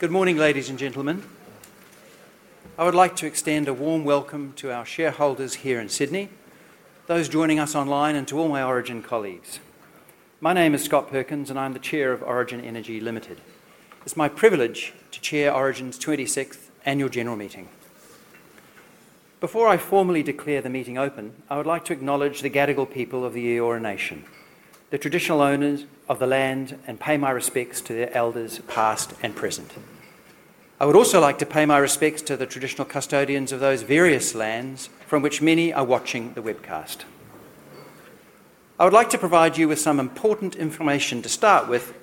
Good morning, ladies and gentlemen. I would like to extend a warm welcome to our shareholders here in Sydney, those joining us online, and to all my Origin colleagues. My name is Scott Perkins, and I'm the Chair of Origin Energy Limited. It's my privilege to chair Origin's 26th Annual General Meeting. Before I formally declare the meeting open, I would like to acknowledge the Gadigal people of the Eora Nation, the traditional owners of the land, and pay my respects to their elders past and present. I would also like to pay my respects to the traditional custodians of those various lands from which many are watching the webcast. I would like to provide you with some important information to start with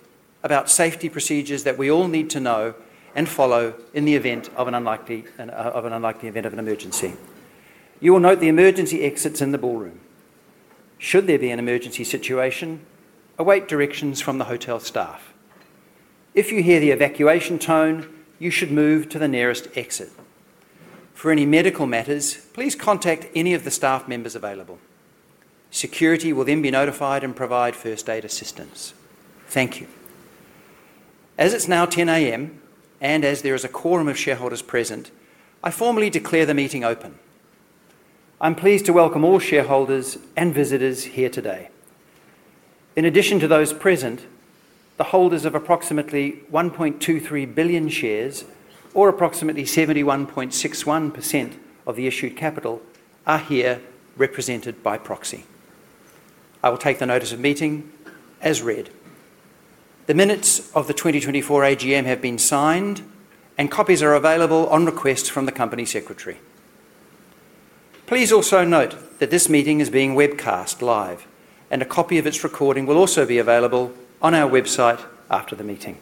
about safety procedures that we all need to know and follow in the event of an unlikely event of an emergency. You will note the emergency exits in the ballroom. Should there be an emergency situation, await directions from the hotel staff. If you hear the evacuation tone, you should move to the nearest exit. For any medical matters, please contact any of the staff members available. Security will then be notified and provide first aid assistance. Thank you. As it's now 10:00 A.M. and as there is a quorum of shareholders present, I formally declare the meeting open. I'm pleased to welcome all shareholders and visitors here today. In addition to those present, the holders of approximately 1.23 billion shares, or approximately 71.61% of the issued capital, are here represented by proxy. I will take the notice of meeting as read. The minutes of the 2024 AGM have been signed, and copies are available on request from the Company Secretary. Please also note that this meeting is being webcast live, and a copy of its recording will also be available on our website after the meeting.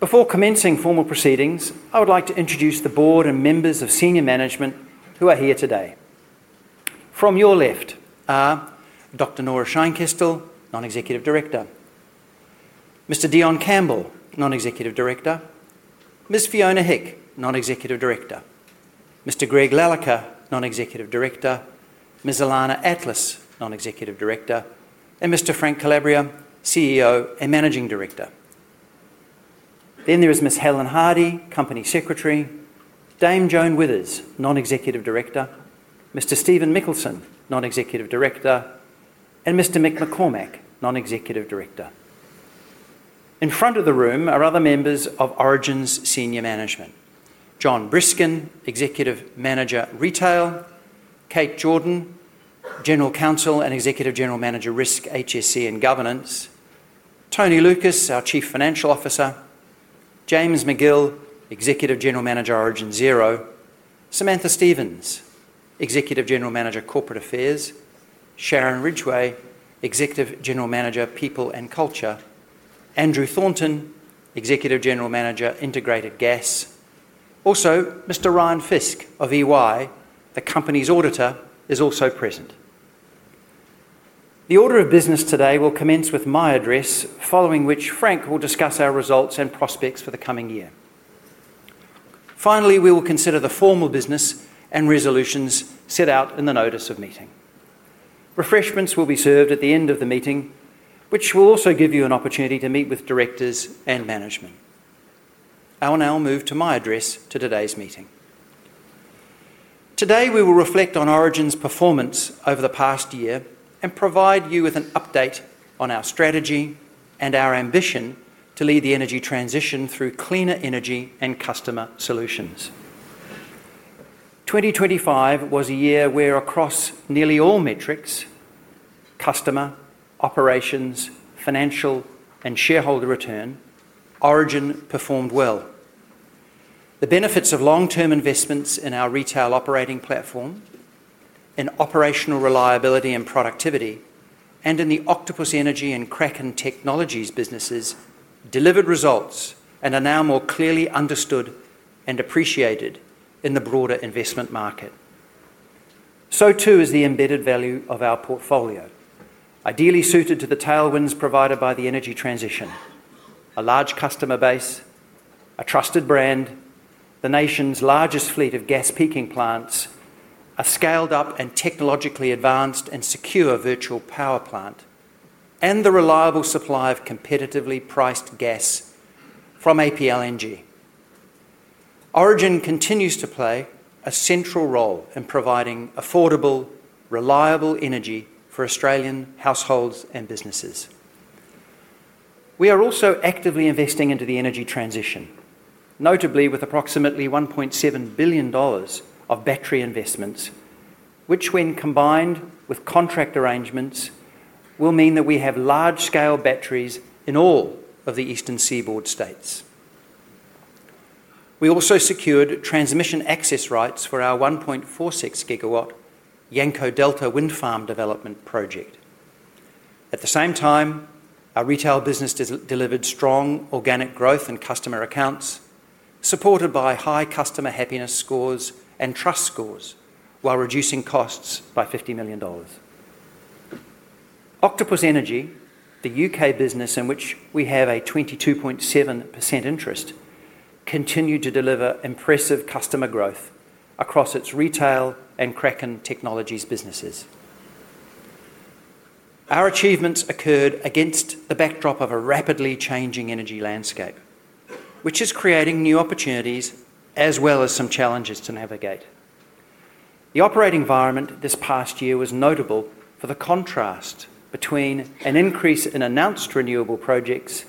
Before commencing formal proceedings, I would like to introduce the Board and members of senior management who are here today. From your left are Dr. Nora Scheinkestel, Non-Executive Director; Mr. Deion Campbell, Non-Executive Director; Ms. Fiona Hick, Non-Executive Director; Mr. Greg Lalicker, Non-Executive Director; Ms. Ilana Atlas, Non-Executive Director; and Mr. Frank Calabria, CEO and Managing Director. Then there is Ms. Helen Hardy, Company Secretary; Dame Joan Withers, Non-Executive Director; Mr. Stephen Mikkelsen, Non-Executive Director; and Mr. Michael McCormack, Non-Executive Director. In front of the room are other members of Origin's senior management: Jon Briskin, Executive Manager Retail; Kate Jordan, General Counsel and Executive General Manager Risk, HSC and Governance; Tony Lucas, our Chief Financial Officer; James Magill, Executive General Manager Origin Zero; Samantha Stevens, Executive General Manager Corporate Affairs; Sharon Ridgeway, Executive General Manager People and Culture; Andrew Thornton, Executive General Manager Integrated Gas. Also, Mr. Ryan Fisk of EY, the Company's Auditor, is also present. The order of business today will commence with my address, following which Frank will discuss our results and prospects for the coming year. Finally, we will consider the formal business and resolutions set out in the notice of meeting. Refreshments will be served at the end of the meeting, which will also give you an opportunity to meet with directors and management. I will now move to my address to today's meeting. Today, we will reflect on Origin's performance over the past year and provide you with an update on our strategy and our ambition to lead the energy transition through cleaner energy and customer solutions. 2023 was a year where, across nearly all metrics—customer, operations, financial, and shareholder-return—Origin performed well. The benefits of long-term investments in our retail operating platform, in operational reliability and productivity, and in the Octopus Energy and Kraken businesses delivered results and are now more clearly understood and appreciated in the broader investment market. The embedded value of our portfolio is ideally suited to the tailwinds provided by the energy transition: a large customer base, a trusted brand, the nation's largest fleet of gas-peaking plants, a scaled-up and technologically advanced and secure virtual power plant, and the reliable supply of competitively priced gas from APLNG. Origin continues to play a central role in providing affordable, reliable energy for Australian households and businesses. We are also actively investing into the energy transition, notably with approximately 1.7 billion dollars of battery investments, which, when combined with contract arrangements, will mean that we have large-scale batteries in all of the Eastern Seaboard states. We also secured transmission access rights for our 1.46 GW Yanco Delta wind farm development project. At the same time, our retail business delivered strong organic growth and customer accounts, supported by high customer happiness scores and trust scores, while reducing costs by 50 million dollars. Octopus Energy, the U.K. business in which we have a 22.7% interest, continued to deliver impressive customer growth across its Retail and Kraken Technologies businesses. Our achievements occurred against the backdrop of a rapidly changing energy landscape, which is creating new opportunities as well as some challenges to navigate. The operating environment this past year was notable for the contrast between an increase in announced renewable projects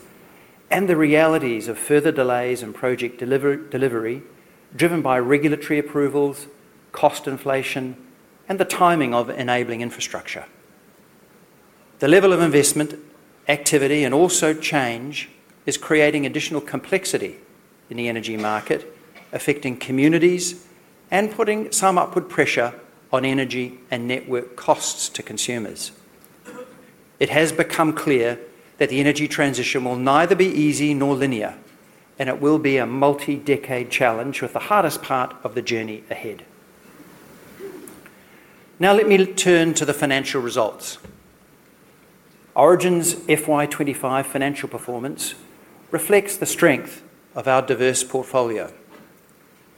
and the realities of further delays in project delivery, driven by regulatory approvals, cost inflation, and the timing of enabling infrastructure. The level of investment, activity, and also change is creating additional complexity in the energy market, affecting communities and putting some upward pressure on energy and network costs to consumers. It has become clear that the energy transition will neither be easy nor linear, and it will be a multi-decade challenge, with the hardest part of the journey ahead. Now, let me turn to the financial results. Origin's FY 2025 financial performance reflects the strength of our diverse portfolio.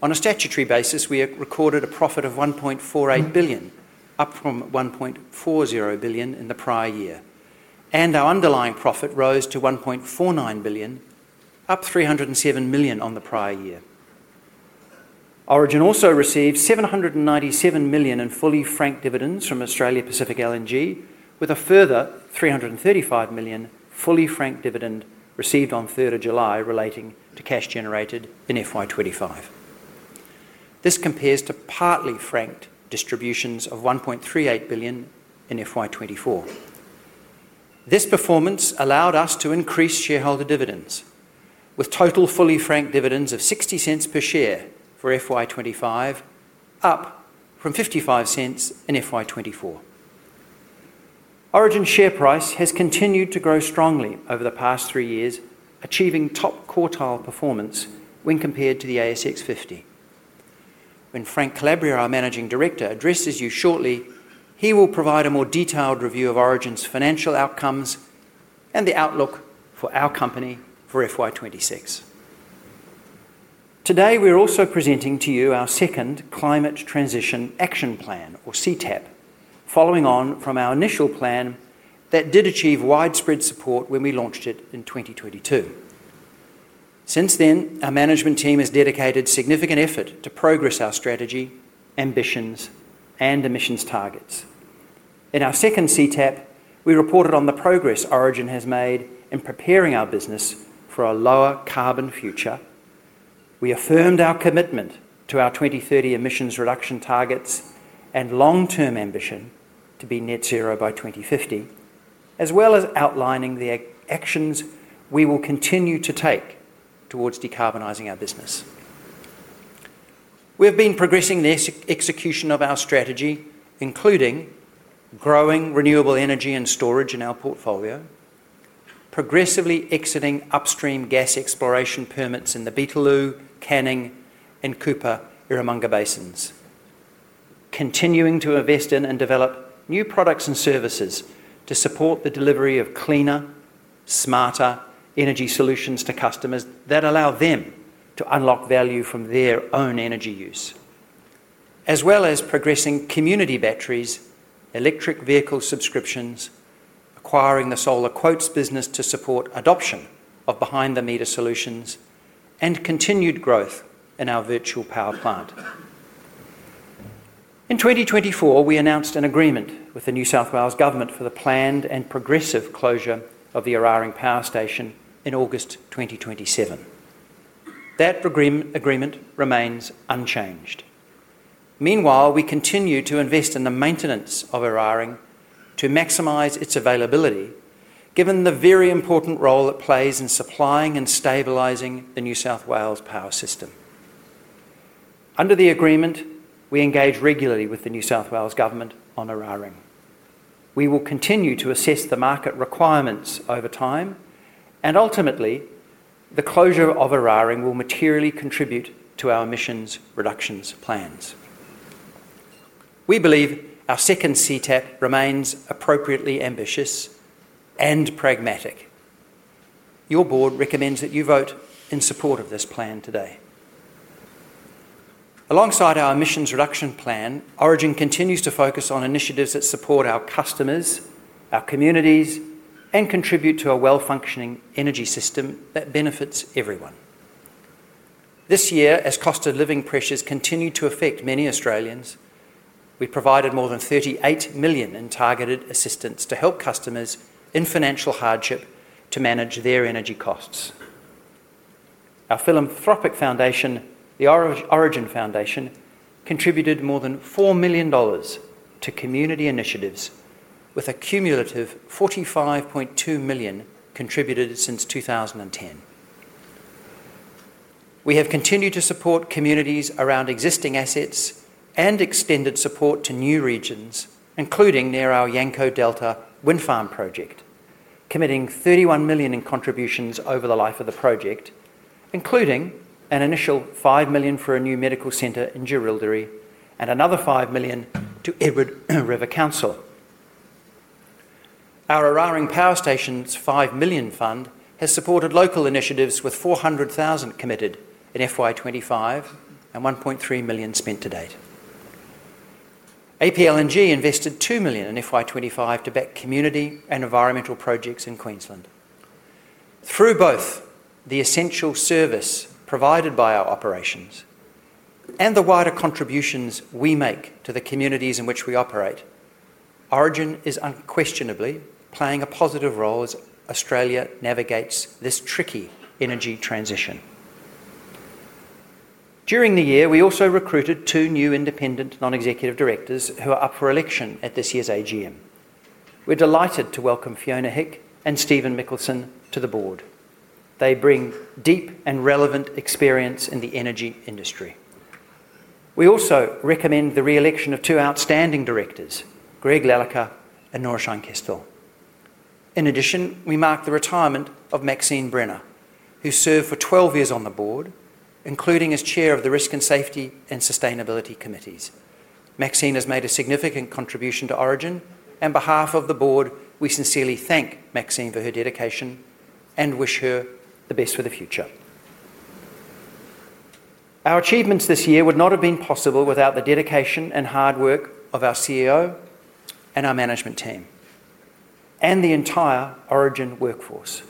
On a statutory basis, we recorded a profit of 1.48 billion, up from 1.40 billion in the prior year, and our underlying profit rose to 1.49 billion, up 307 million on the prior year. Origin also received 797 million in fully franked dividends from Australia Pacific LNG, with a further 335 million fully franked dividend received on 3rd of July, relating to cash generated in FY 2025. This compares to partly franked distributions of 1.38 billion in FY 2024. This performance allowed us to increase shareholder dividends, with total fully franked dividends of 0.60 per share for FY 2025, up from 0.55 in FY 2024. Origin's share price has continued to grow strongly over the past three years, achieving top quartile performance when compared to the ASX 50. When Frank Calabria, our Managing Director, addresses you shortly, he will provide a more detailed review of Origin's financial outcomes and the outlook for our company for FY 2026. Today, we are also presenting to you our second Climate Transition Action Plan, or CTAP, following on from our initial plan that did achieve widespread support when we launched it in 2022. Since then, our management team has dedicated significant effort to progress our strategy, ambitions, and emissions targets. In our second CTAP, we reported on the progress Origin has made in preparing our business for a lower carbon future. We affirmed our commitment to our 2030 emissions reduction targets and long-term ambition to be net zero by 2050, as well as outlining the actions we will continue to take towards decarbonizing our business. We have been progressing the execution of our strategy, including growing renewable energy and storage in our portfolio, progressively exiting upstream gas exploration permits in the Beetaloo, Canning, and Cooper Eromanga basins, continuing to invest in and develop new products and services to support the delivery of cleaner, smarter energy solutions to customers that allow them to unlock value from their own energy use, as well as progressing community batteries, electric vehicle subscriptions, acquiring the Solar Quotes business to support adoption of behind-the-meter solutions, and continued growth in our virtual power plant. In 2024, we announced an agreement with the New South Wales Government for the planned and progressive closure of the Eraring Power Station in August 2027. That agreement remains unchanged. Meanwhile, we continue to invest in the maintenance of Eraring to maximize its availability, given the very important role it plays in supplying and stabilizing the New South Wales power system. Under the agreement, we engage regularly with the New South Wales Government on Eraring. We will continue to assess the market requirements over time, and ultimately, the closure of Eraring will materially contribute to our emissions reductions plans. We believe our second CTAP remains appropriately ambitious and pragmatic. Your Board recommends that you vote in support of this plan today. Alongside our emissions reduction plan, Origin continues to focus on initiatives that support our customers, our communities, and contribute to a well-functioning energy system that benefits everyone. This year, as cost of living pressures continue to affect many Australians, we provided more than 38 million in targeted assistance to help customers in financial hardship to manage their energy costs. Our philanthropic foundation, the Origin Foundation, contributed more than 4 million dollars to community initiatives, with a cumulative 45.2 million contributed since 2010. We have continued to support communities around existing assets and extended support to new regions, including near our Yanco Delta wind farm project, committing 31 million in contributions over the life of the project, including an initial 5 million for a new medical center in Jerilderie, and another 5 million to Edward River Council. Our Eraring Power Station's 5 million fund has supported local initiatives, with 400,000 committed in FY 2025 and 1.3 million spent to date. APLNG invested 2 million in FY 2025 to back community and environmental projects in Queensland. Through both the essential service provided by our operations and the wider contributions we make to the communities in which we operate, Origin is unquestionably playing a positive role as Australia navigates this tricky energy transition. During the year, we also recruited two new independent Non-Executive Directors who are up for election at this year's AGM. We're delighted to welcome Fiona Hick and Stephen Mikkelsen to the Board. They bring deep and relevant experience in the energy industry. We also recommend the re-election of two outstanding directors, Greg Lalicker and Nora Scheinkestel. In addition, we mark the retirement of Maxine Brenner, who served for 12 years on the Board, including as Chair of the Risk and Safety and Sustainability Committees. Maxine has made a significant contribution to Origin, and on behalf of the Board, we sincerely thank Maxine for her dedication and wish her the best for the future. Our achievements this year would not have been possible without the dedication and hard work of our CEO and our management team and the entire Origin workforce.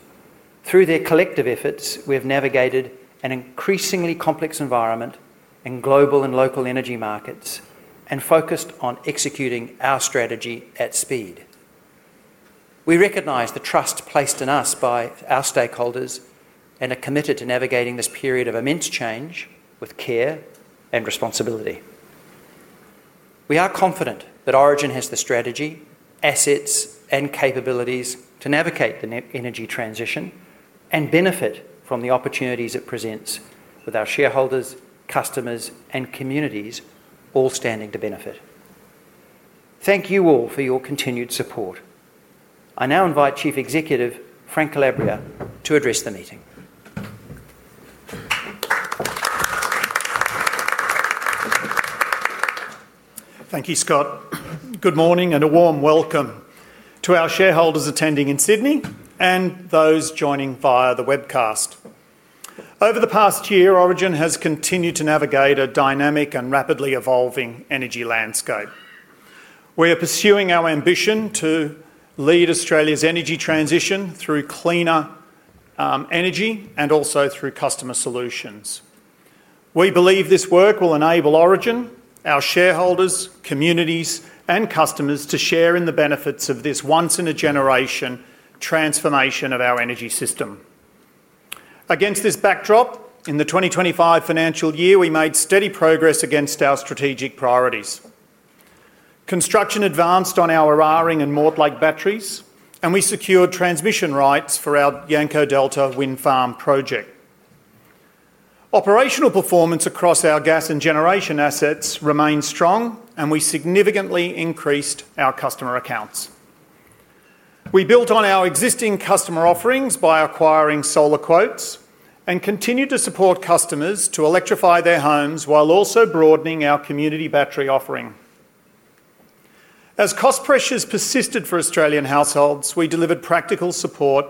Through their collective efforts, we have navigated an increasingly complex environment in global and local energy markets and focused on executing our strategy at speed. We recognize the trust placed in us by our stakeholders and are committed to navigating this period of immense change with care and responsibility. We are confident that Origin has the strategy, assets, and capabilities to navigate the energy transition and benefit from the opportunities it presents with our shareholders, customers, and communities all standing to benefit. Thank you all for your continued support. I now invite Chief Executive Frank Calabria to address the meeting. Thank you, Scott. Good morning and a warm welcome to our shareholders attending in Sydney and those joining via the webcast. Over the past year, Origin has continued to navigate a dynamic and rapidly evolving energy landscape. We are pursuing our ambition to lead Australia's energy transition through cleaner energy and also through customer solutions. We believe this work will enable Origin, our shareholders, communities, and customers to share in the benefits of this once-in-a-generation transformation of our energy system. Against this backdrop, in the 2025 financial year, we made steady progress against our strategic priorities. Construction advanced on our Eraring and Maud Lake batteries, and we secured transmission rights for our Yanco Delta wind farm project. Operational performance across our gas and generation assets remains strong, and we significantly increased our customer accounts. We built on our existing customer offerings by acquiring Solar Quotes and continue to support customers to electrify their homes while also broadening our community battery offering. As cost pressures persisted for Australian households, we delivered practical support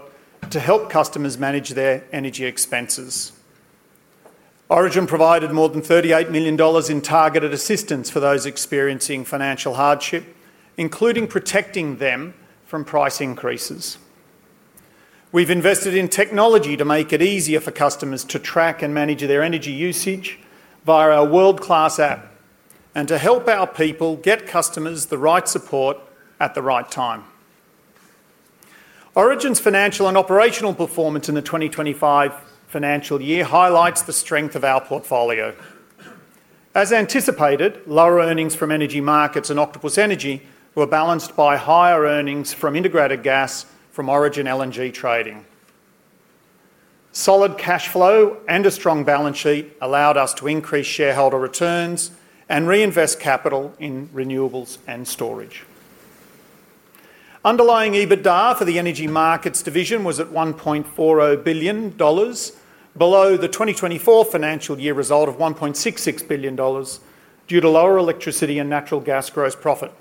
to help customers manage their energy expenses. Origin provided more than 38 million dollars in targeted assistance for those experiencing financial hardship, including protecting them from price increases. We've invested in technology to make it easier for customers to track and manage their energy usage via our world-class app and to help our people get customers the right support at the right time. Origin's financial and operational performance in the 2025 financial year highlights the strength of our portfolio. As anticipated, lower earnings from Energy Markets and Octopus Energy were balanced by higher earnings from Integrated Gas from Origin LNG Trading. Solid cash flow and a strong balance sheet allowed us to increase shareholder returns and reinvest capital in renewables and storage. Underlying EBITDA for the Energy Markets division was at 1.40 billion dollars, below the 2024 financial year result of 1.66 billion dollars due to lower electricity and natural gas gross profit.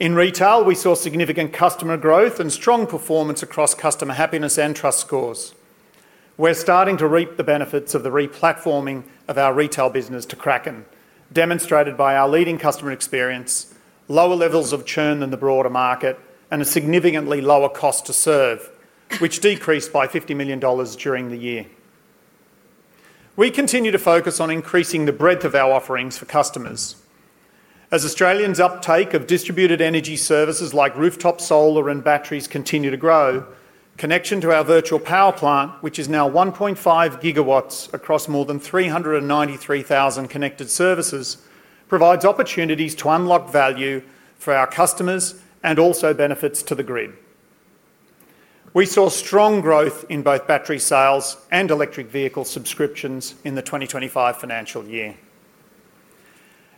In retail, we saw significant customer growth and strong performance across customer happiness and trust scores. We're starting to reap the benefits of the re-platforming of our retail business to Kraken, demonstrated by our leading customer experience, lower levels of churn in the broader market, and a significantly lower cost-to-serve, which decreased by 50 million dollars during the year. We continue to focus on increasing the breadth of our offerings for customers. As Australians' uptake of distributed energy services like rooftop solar and batteries continues to grow, connection to our virtual power plant, which is now 1.5 GW across more than 393,000 connected services, provides opportunities to unlock value for our customers and also benefits to the grid. We saw strong growth in both battery sales and electric vehicle subscriptions in the 2025 financial year.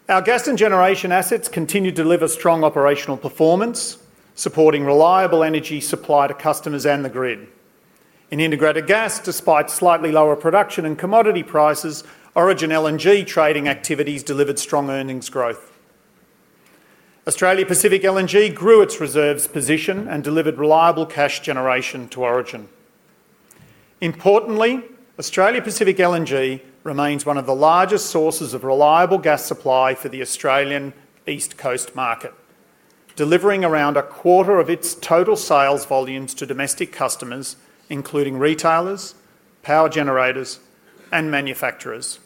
Our gas and generation assets continue to deliver strong operational performance, supporting reliable energy supply to customers and the grid. In Integrated Gas, despite slightly lower production and commodity prices, Origin LNG Trading activities delivered strong earnings growth. Australia Pacific LNG grew its reserves position and delivered reliable cash generation to Origin. Importantly, Australia Pacific LNG remains one of the largest sources of reliable gas supply for the Australian East Coast market, delivering around a quarter of its total sales volumes to domestic customers, including retailers, power generators, and manufacturers.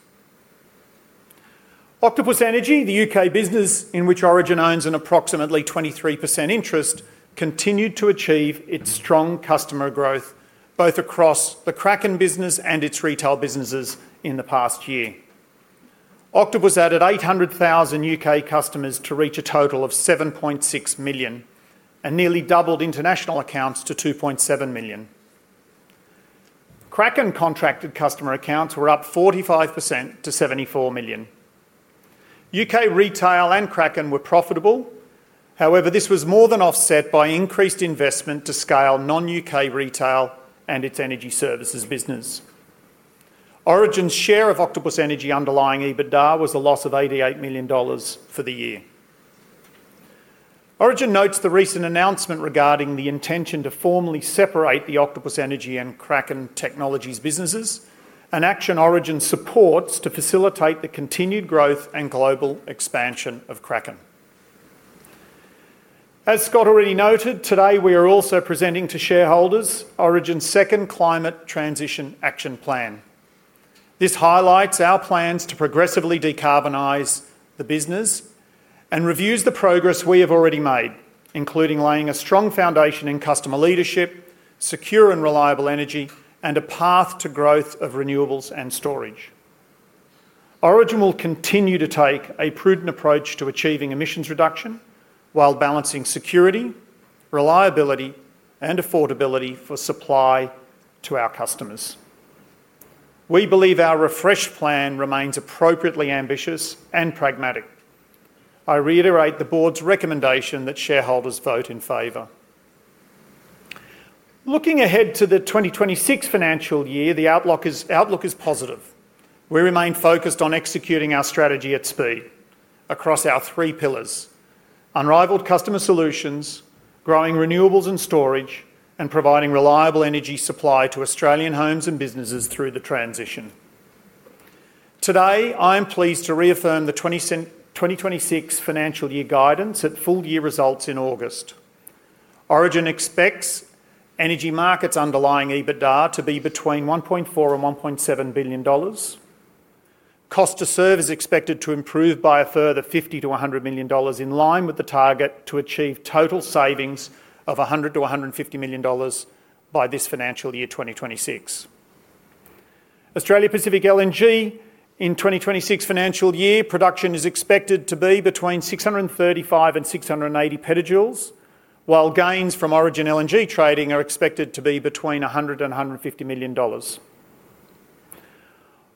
Octopus Energy, the U.K. business in which Origin owns an approximately 22.7% interest, continued to achieve its strong customer growth both across the Kraken business and its retail businesses in the past year. Octopus added 800,000 U.K. customers to reach a total of 7.6 million and nearly doubled international accounts to 2.7 million. Kraken contracted customer accounts were up 45% to 74 million. U.K. retail and Kraken were profitable, however, this was more than offset by increased investment to scale non-U.K. retail and its energy services business. Origin's share of Octopus Energy underlying EBITDA was a loss of 88 million dollars for the year. Origin notes the recent announcement regarding the intention to formally separate the Octopus Energy and Kraken Technologies businesses, an action Origin supports to facilitate the continued growth and global expansion of Kraken. As Scott already noted, today we are also presenting to shareholders Origin's second Climate Transition Action Plan. This highlights our plans to progressively decarbonize the business and reviews the progress we have already made, including laying a strong foundation in customer leadership, secure and reliable energy, and a path to growth of renewables and storage. Origin will continue to take a prudent approach to achieving emissions reduction while balancing security, reliability, and affordability for supply to our customers. We believe our refreshed plan remains appropriately ambitious and pragmatic. I reiterate the Board's recommendation that shareholders vote in favor. Looking ahead to the 2026 financial year, the outlook is positive. We remain focused on executing our strategy at speed across our three pillars: unrivaled customer solutions, growing renewables and storage, and providing reliable energy supply to Australian homes and businesses through the transition. Today, I am pleased to reaffirm the 2026 financial year guidance at full-year results in August. Origin expects Energy Markets underlying EBITDA to be between 1.4 billion and 1.7 billion dollars. Cost-to-serve is expected to improve by a further 50 million to 100 million dollars, in line with the target to achieve total savings of 100 million to 150 million dollars by this financial year 2026. Australia Pacific LNG in the 2026 financial year production is expected to be between 635 and 680 petajoules, while gains from Origin LNG Trading are expected to be between 100 million dollars and AUD 150 million.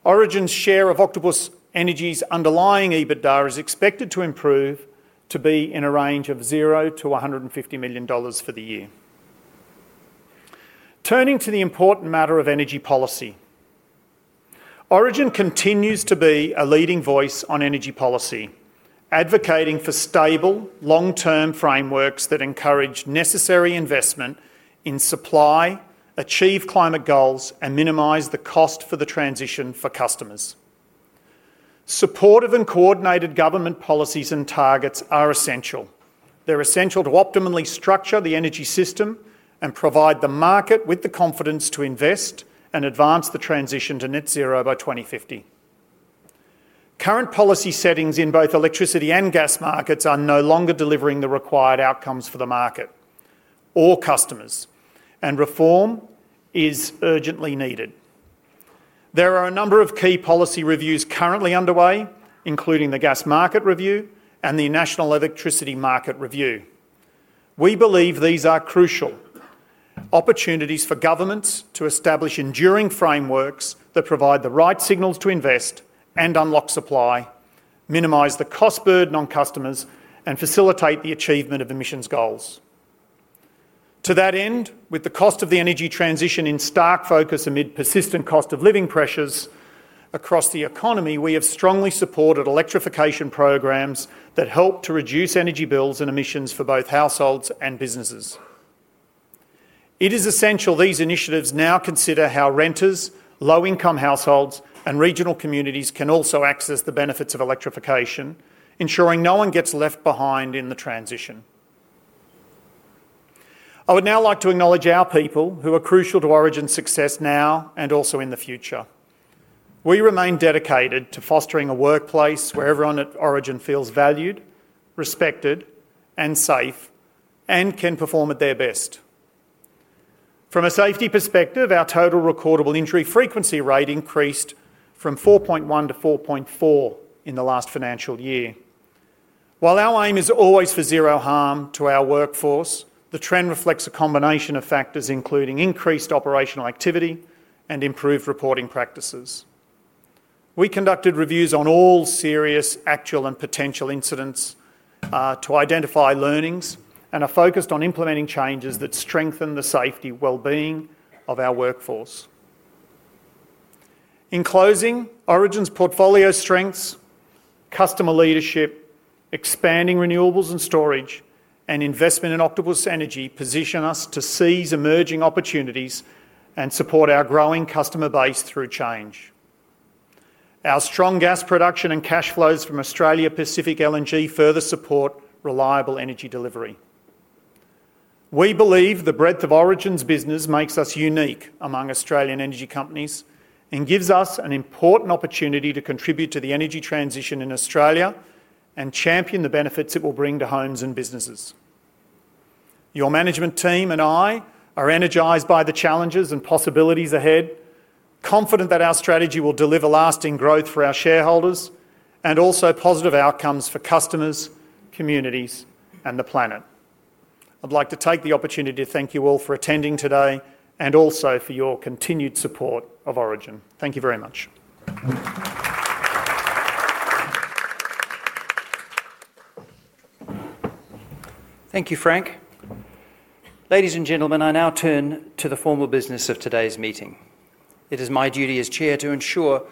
Origin's share of Octopus Energy's underlying EBITDA is expected to improve to be in a range of 0 to 150 million dollars for the year. Turning to the important matter of energy policy, Origin continues to be a leading voice on energy policy, advocating for stable, long-term frameworks that encourage necessary investment in supply, achieve climate goals, and minimize the cost for the transition for customers. Supportive and coordinated government policies and targets are essential. They're essential to optimally structure the energy system and provide the market with the confidence to invest and advance the transition to net zero by 2050. Current policy settings in both electricity and gas markets are no longer delivering the required outcomes for the market or customers, and reform is urgently needed. There are a number of key policy reviews currently underway, including the Gas Market Review and the National Electricity Market Review. We believe these are crucial opportunities for governments to establish enduring frameworks that provide the right signals to invest and unlock supply, minimize the cost burden on customers, and facilitate the achievement of emissions goals. To that end, with the cost of the energy transition in stark focus amid persistent cost of living pressures across the economy, we have strongly supported electrification programs that help to reduce energy bills and emissions for both households and businesses. It is essential these initiatives now consider how renters, low-income households, and regional communities can also access the benefits of electrification, ensuring no one gets left behind in the transition. I would now like to acknowledge our people who are crucial to Origin's success now and also in the future. We remain dedicated to fostering a workplace where everyone at Origin feels valued, respected, and safe, and can perform at their best. From a safety perspective, our total recordable injury frequency rate increased from 4.1 to 4.4 in the last financial year. While our aim is always for zero harm to our workforce, the trend reflects a combination of factors, including increased operational activity and improved reporting practices. We conducted reviews on all serious actual and potential incidents to identify learnings and are focused on implementing changes that strengthen the safety and well-being of our workforce. In closing, Origin's portfolio strengths, customer leadership, expanding renewables and storage, and investment in Octopus Energy position us to seize emerging opportunities and support our growing customer base through change. Our strong gas production and cash flows from Australia Pacific LNG further support reliable energy delivery. We believe the breadth of Origin's business makes us unique among Australian energy companies and gives us an important opportunity to contribute to the energy transition in Australia and champion the benefits it will bring to homes and businesses. Your management team and I are energized by the challenges and possibilities ahead, confident that our strategy will deliver lasting growth for our shareholders and also positive outcomes for customers, communities, and the planet. I'd like to take the opportunity to thank you all for attending today and also for your continued support of Origin. Thank you very much. Thank you, Frank. Ladies and gentlemen, I now turn to the formal business of today's meeting. It is my duty as Chair to ensure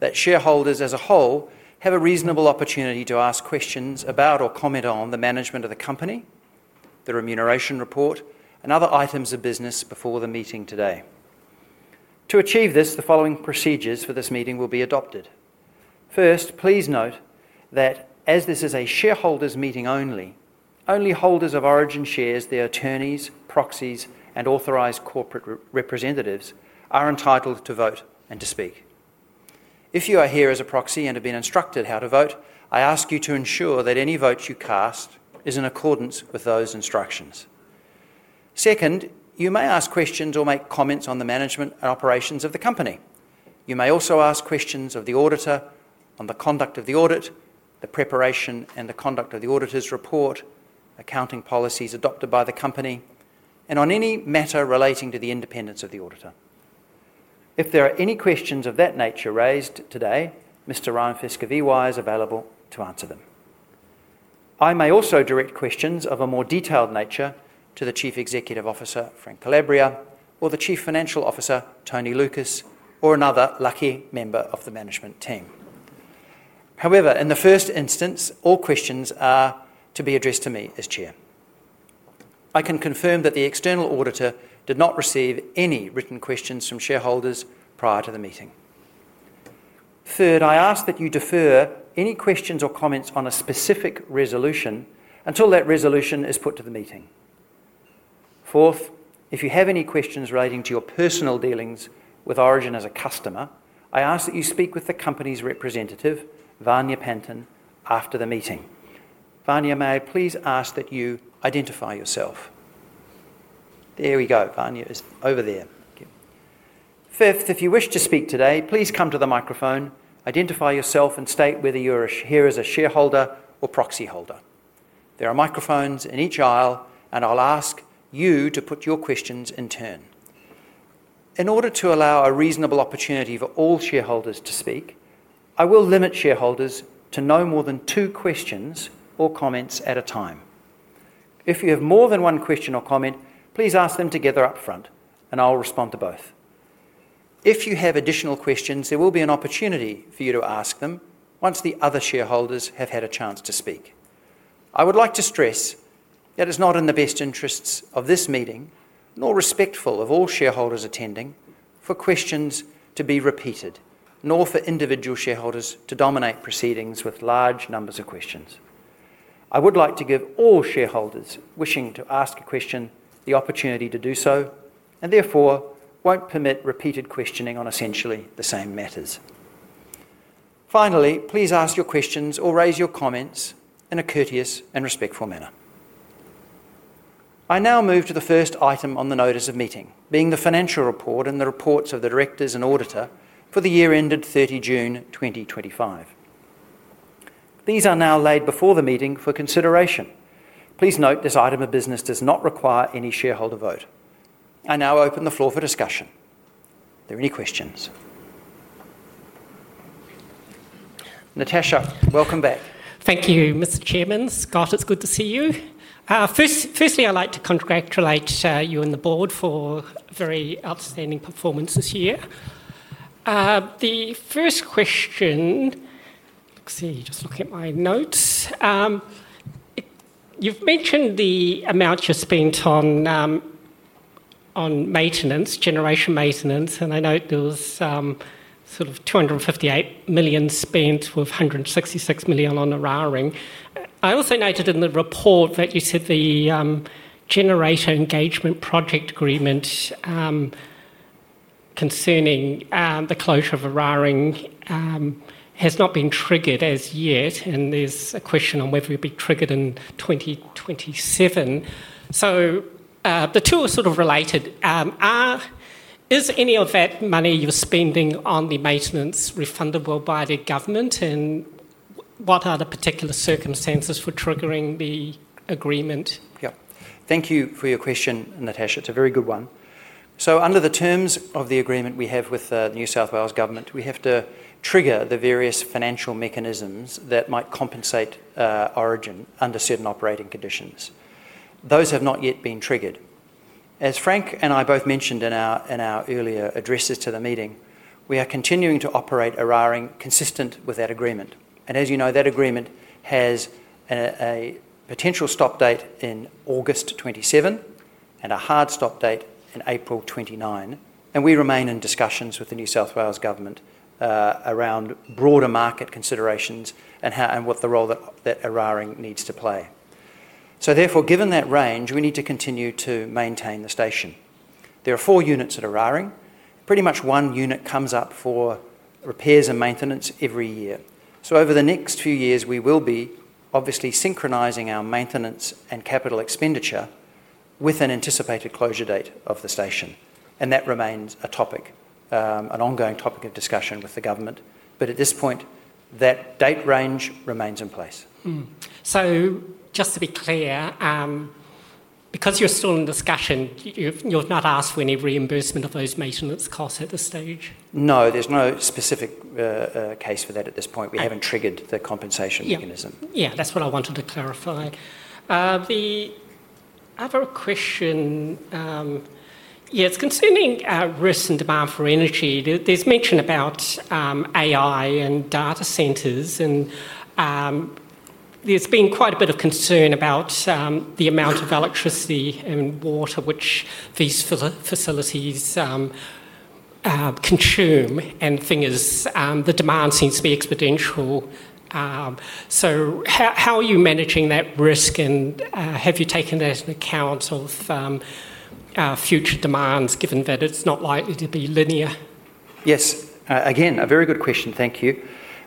that shareholders as a whole have a reasonable opportunity to ask questions about or comment on the management of the company, the remuneration report, and other items of business before the meeting today. To achieve this, the following procedures for this meeting will be adopted. First, please note that as this is a shareholders' meeting only, only holders of Origin shares, their attorneys, proxies, and authorized corporate representatives are entitled to vote and to speak. If you are here as a proxy and have been instructed how to vote, I ask you to ensure that any vote you cast is in accordance with those instructions. Second, you may ask questions or make comments on the management and operations of the company. You may also ask questions of the auditor on the conduct of the audit, the preparation and the conduct of the auditor's report, accounting policies adopted by the company, and on any matter relating to the independence of the auditor. If there are any questions of that nature raised today, Mr. Ilana Atlas is available to answer them. I may also direct questions of a more detailed nature to the Chief Executive Officer, Frank Calabria, or the Chief Financial Officer, Tony Lucas, or another lucky member of the management team. However, in the first instance, all questions are to be addressed to me as Chair. I can confirm that the external auditor did not receive any written questions from shareholders prior to the meeting. Third, I ask that you defer any questions or comments on a specific resolution until that resolution is put to the meeting. Fourth, if you have any questions relating to your personal dealings with Origin as a customer, I ask that you speak with the company's representative, Vanya Panton, after the meeting. Vanya, may I please ask that you identify yourself? There we go. Vanya is over there. Thank you. Fifth, if you wish to speak today, please come to the microphone, identify yourself, and state whether you're here as a shareholder or proxy holder. There are microphones in each aisle, and I'll ask you to put your questions in turn. In order to allow a reasonable opportunity for all shareholders to speak, I will limit shareholders to no more than two questions or comments at a time. If you have more than one question or comment, please ask them together up front, and I'll respond to both. If you have additional questions, there will be an opportunity for you to ask them once the other shareholders have had a chance to speak. I would like to stress that it's not in the best interests of this meeting, nor respectful of all shareholders attending, for questions to be repeated, nor for individual shareholders to dominate proceedings with large numbers of questions. I would like to give all shareholders wishing to ask a question the opportunity to do so, and therefore won't permit repeated questioning on essentially the same matters. Finally, please ask your questions or raise your comments in a courteous and respectful manner. I now move to the first item on the notice of meeting, being the financial report and the reports of the directors and auditor for the year ended 30 June 2025. These are now laid before the meeting for consideration. Please note this item of business does not require any shareholder vote. I now open the floor for discussion. Are there any questions? Natasha, welcome back. Thank you, Mr. Chairman. Scott, it's good to see you. Firstly, I'd like to congratulate you and the Board for very outstanding performance this year. The first question, let's see, just looking at my notes, you've mentioned the amount you spent on maintenance, generation maintenance, and I note there was sort of 258 million spent with 166 million on Eraring. I also noted in the report that you said the generator engagement project agreement concerning the closure of Eraring has not been triggered as yet, and there's a question on whether it'll be triggered in 2027. The two are sort of related. Is any of that money you're spending on the maintenance refundable by the government, and what are the particular circumstances for triggering the agreement? Yeah, thank you for your question, Natasha. It's a very good one. Under the terms of the agreement we have with the New South Wales Government, we have to trigger the various financial mechanisms that might compensate Origin under certain operating conditions. Those have not yet been triggered. As Frank and I both mentioned in our earlier addresses to the meeting, we are continuing to operate Eraring consistent with that agreement. As you know, that agreement has a potential stop date in August 2027 and a hard stop date in April 2029, and we remain in discussions with the New South Wales Government around broader market considerations and what the role that Eraring needs to play. Therefore, given that range, we need to continue to maintain the station. There are four units at Eraring. Pretty much one unit comes up for repairs and maintenance every year. Over the next few years, we will be obviously synchronizing our maintenance and capital expenditure with an anticipated closure date of the station, and that remains an ongoing topic of discussion with the government. At this point, that date range remains in place. Just to be clear, because you're still in discussion, you're not asked for any reimbursement of those maintenance costs at this stage? No, there's no specific case for that at this point. We haven't triggered the compensation mechanism. Yeah, that's what I wanted to clarify. The other question is concerning risk and demand for energy. There's mention about AI and data centers, and there's been quite a bit of concern about the amount of electricity and water which these facilities consume, and the demand seems to be exponential. How are you managing that risk, and have you taken that into account for future demands, given that it's not likely to be linear? Yes, again, a very good question. Thank you.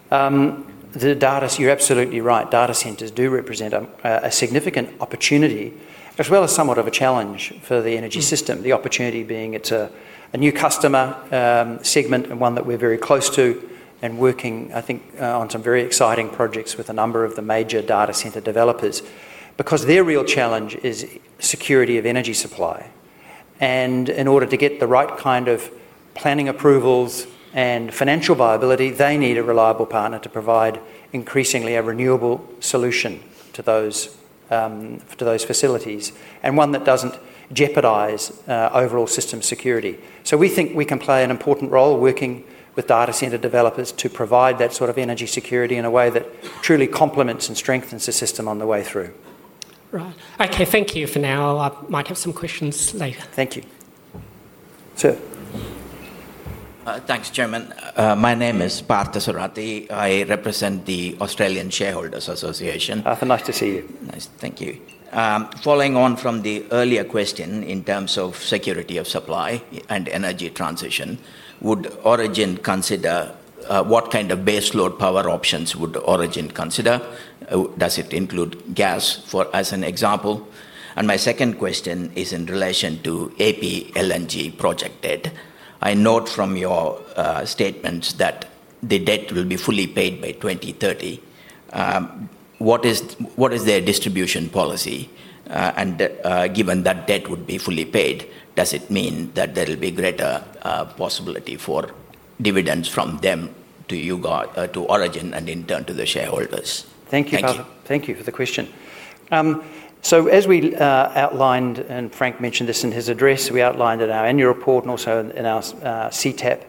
The data, you're absolutely right. Data centers do represent a significant opportunity, as well as somewhat of a challenge for the energy system. The opportunity being it's a new customer segment and one that we're very close to and working, I think, on some very exciting projects with a number of the major data center developers. Their real challenge is security of energy supply, and in order to get the right kind of planning approvals and financial viability, they need a reliable partner to provide increasingly a renewable solution to those facilities and one that doesn't jeopardize overall system security. We think we can play an important role working with data center developers to provide that sort of energy security in a way that truly complements and strengthens the system on the way through. Right. Okay, thank you for now. I might have some questions later. Thank you. Sir.Thanks, Chairman. My name is Bart Sadati. I represent the Australian Shareholders Association. Arthur, nice to see you. Thank you. Following on from the earlier question in terms of security of supply and energy transition, would Origin consider what kind of baseload power options would Origin consider? Does it include gas as an example? My second question is in relation to APLNG project debt. I note from your statements that the debt will be fully paid by 2030. What is their distribution policy? Given that debt would be fully paid, does it mean that there will be greater possibility for dividends from them to you guys, to Origin, and in turn to the shareholders? Thank you, Arthur. Thank you for the question. As we outlined, and Frank mentioned this in his address, we outlined in our annual report and also in our CTAP,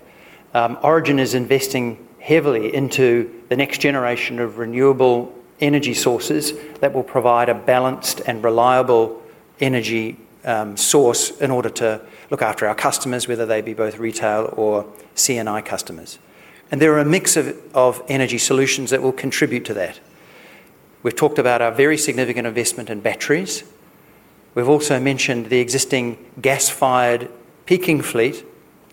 Origin is investing heavily into the next generation of renewable energy sources that will provide a balanced and reliable energy source in order to look after our customers, whether they be both retail or CNI customers. There are a mix of energy solutions that will contribute to that. We've talked about our very significant investment in batteries. We've also mentioned the existing gas-fired peaking fleet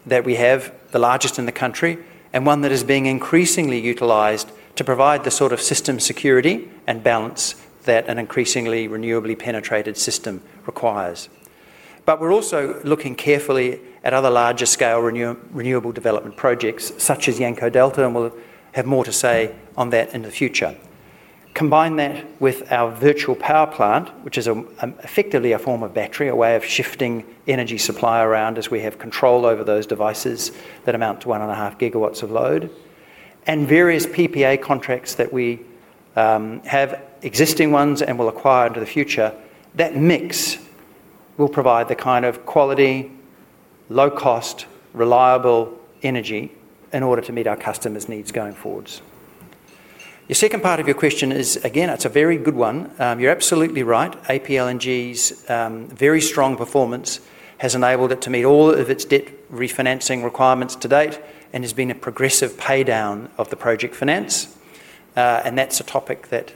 that we have, the largest in the country, and one that is being increasingly utilized to provide the sort of system security and balance that an increasingly renewably penetrated system requires. We're also looking carefully at other larger-scale renewable development projects such as Yanco Delta, and we'll have more to say on that in the future. Combine that with our virtual power plant, which is effectively a form of battery, a way of shifting energy supply around as we have control over those devices that amount to 1.5 GW of load, and various PPA contracts that we have, existing ones and will acquire into the future, that mix will provide the kind of quality, low-cost, reliable energy in order to meet our customers' needs going forwards. Your second part of your question is, again, it's a very good one. You're absolutely right. APLNG's very strong performance has enabled it to meet all of its debt refinancing requirements to date and has been a progressive paydown of the project finance. That's a topic that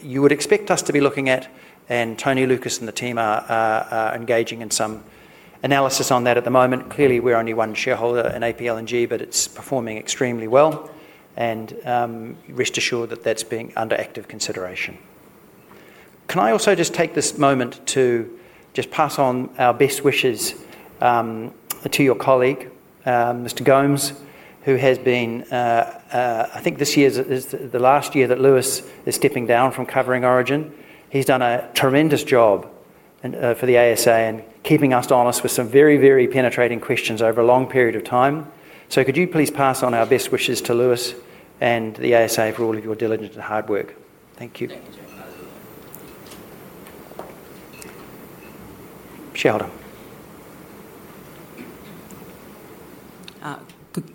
you would expect us to be looking at, and Tony Lucas and the team are engaging in some analysis on that at the moment. Clearly, we're only one shareholder in APLNG, but it's performing extremely well, and rest assured that that's being under active consideration. Can I also just take this moment to pass on our best wishes to your colleague, Mr. Gomes, who has been, I think this year is the last year that Lewis is stepping down from covering Origin. He's done a tremendous job for the ASA in keeping us honest with some very, very penetrating questions over a long period of time. Could you please pass on our best wishes to Lewis and the ASA for all of your diligent and hard work? Thank you. Chair holder.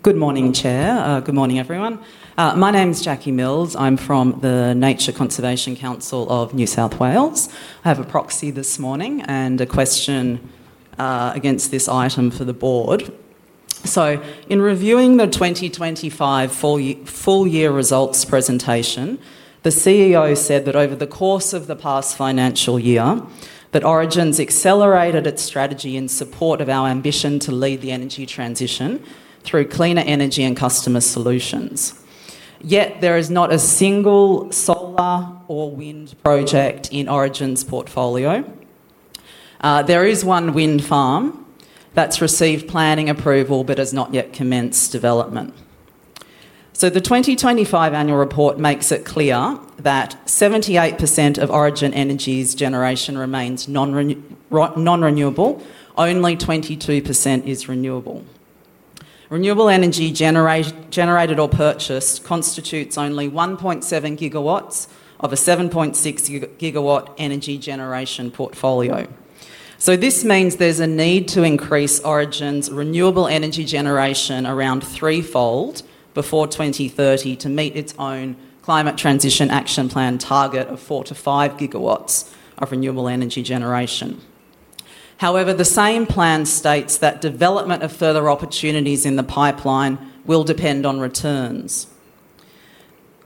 Good morning, Chair. Good morning, everyone. My name is Jackie Mills. I'm from the Nature Conservation Council of New South Wales. I have a proxy this morning and a question against this item for the Board. In reviewing the 2025 full-year results presentation, the CEO said that over the course of the past financial year, Origin's accelerated its strategy in support of our ambition to lead the energy transition through cleaner energy and customer solutions. Yet there is not a single solar or wind project in Origin's portfolio. There is one wind farm that's received planning approval but has not yet commenced development. The 2025 annual report makes it clear that 78% of Origin Energy's generation remains nonrenewable, and only 22% is renewable. Renewable energy generated or purchased constitutes only 1.7 GW of a 7.6 GW energy generation portfolio. This means there's a need to increase Origin's renewable energy generation around threefold before 2030 to meet its own Climate Transition Action Plan target of 4 GW-5 GW of renewable energy generation. However, the same plan states that development of further opportunities in the pipeline will depend on returns.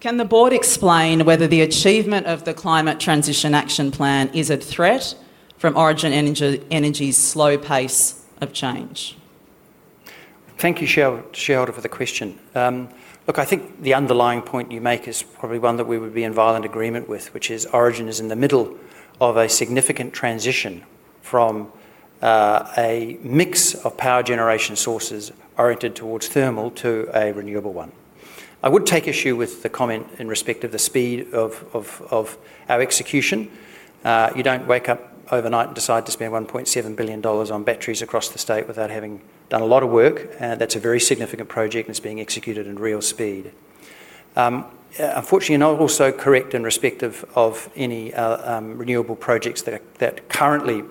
Can the Board explain whether the achievement of the Climate Transition Action Plan is at threat from Origin Energy's slow pace of change? Thank you, Chairholder, for the question. Look, I think the underlying point you make is probably one that we would be in violent agreement with, which is Origin is in the middle of a significant transition from a mix of power generation sources oriented towards thermal to a renewable one. I would take issue with the comment in respect of the speed of our execution. You don't wake up overnight and decide to spend 1.7 billion dollars on batteries across the state without having done a lot of work. That's a very significant project, and it's being executed in real speed. Unfortunately, you're not also correct in respect of any renewable projects that currently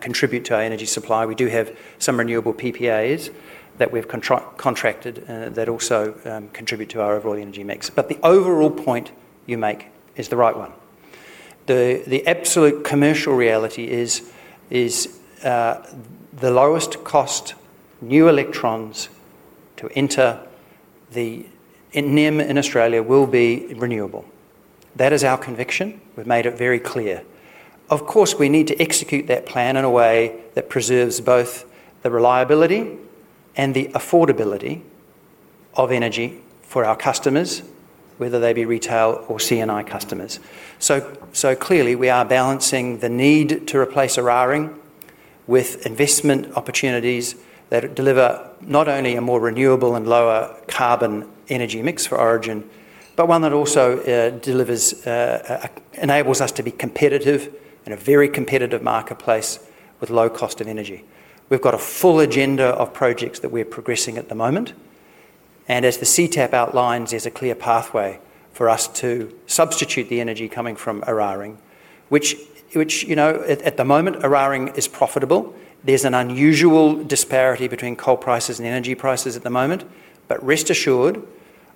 contribute to our energy supply. We do have some renewable PPAs that we've contracted that also contribute to our overall energy mix. The overall point you make is the right one. The absolute commercial reality is the lowest cost new electrons to enter the NEM in Australia will be renewable. That is our conviction. We've made it very clear. Of course, we need to execute that plan in a way that preserves both the reliability and the affordability of energy for our customers, whether they be retail or CNI customers. Clearly, we are balancing the need to replace Eraring with investment opportunities that deliver not only a more renewable and lower carbon energy mix for Origin, but one that also enables us to be competitive in a very competitive marketplace with low cost of energy. We've got a full agenda of projects that we're progressing at the moment, and as the CTAP outlines, there's a clear pathway for us to substitute the energy coming from Eraring, which, you know, at the moment, Eraring is profitable. There's an unusual disparity between coal prices and energy prices at the moment, but rest assured,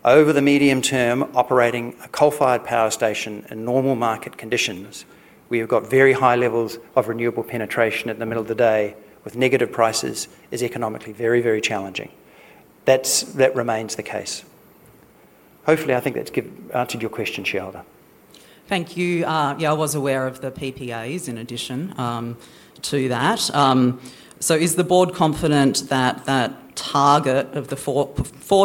over the medium term, operating a coal-fired power station in normal market conditions, we have got very high levels of renewable penetration at the middle of the day with negative prices. It's economically very, very challenging. That remains the case. Hopefully, I think that's answered your question, Chairholder. Thank you. Yeah, I was aware of the PPAs in addition to that. Is the Board confident that that target of the 4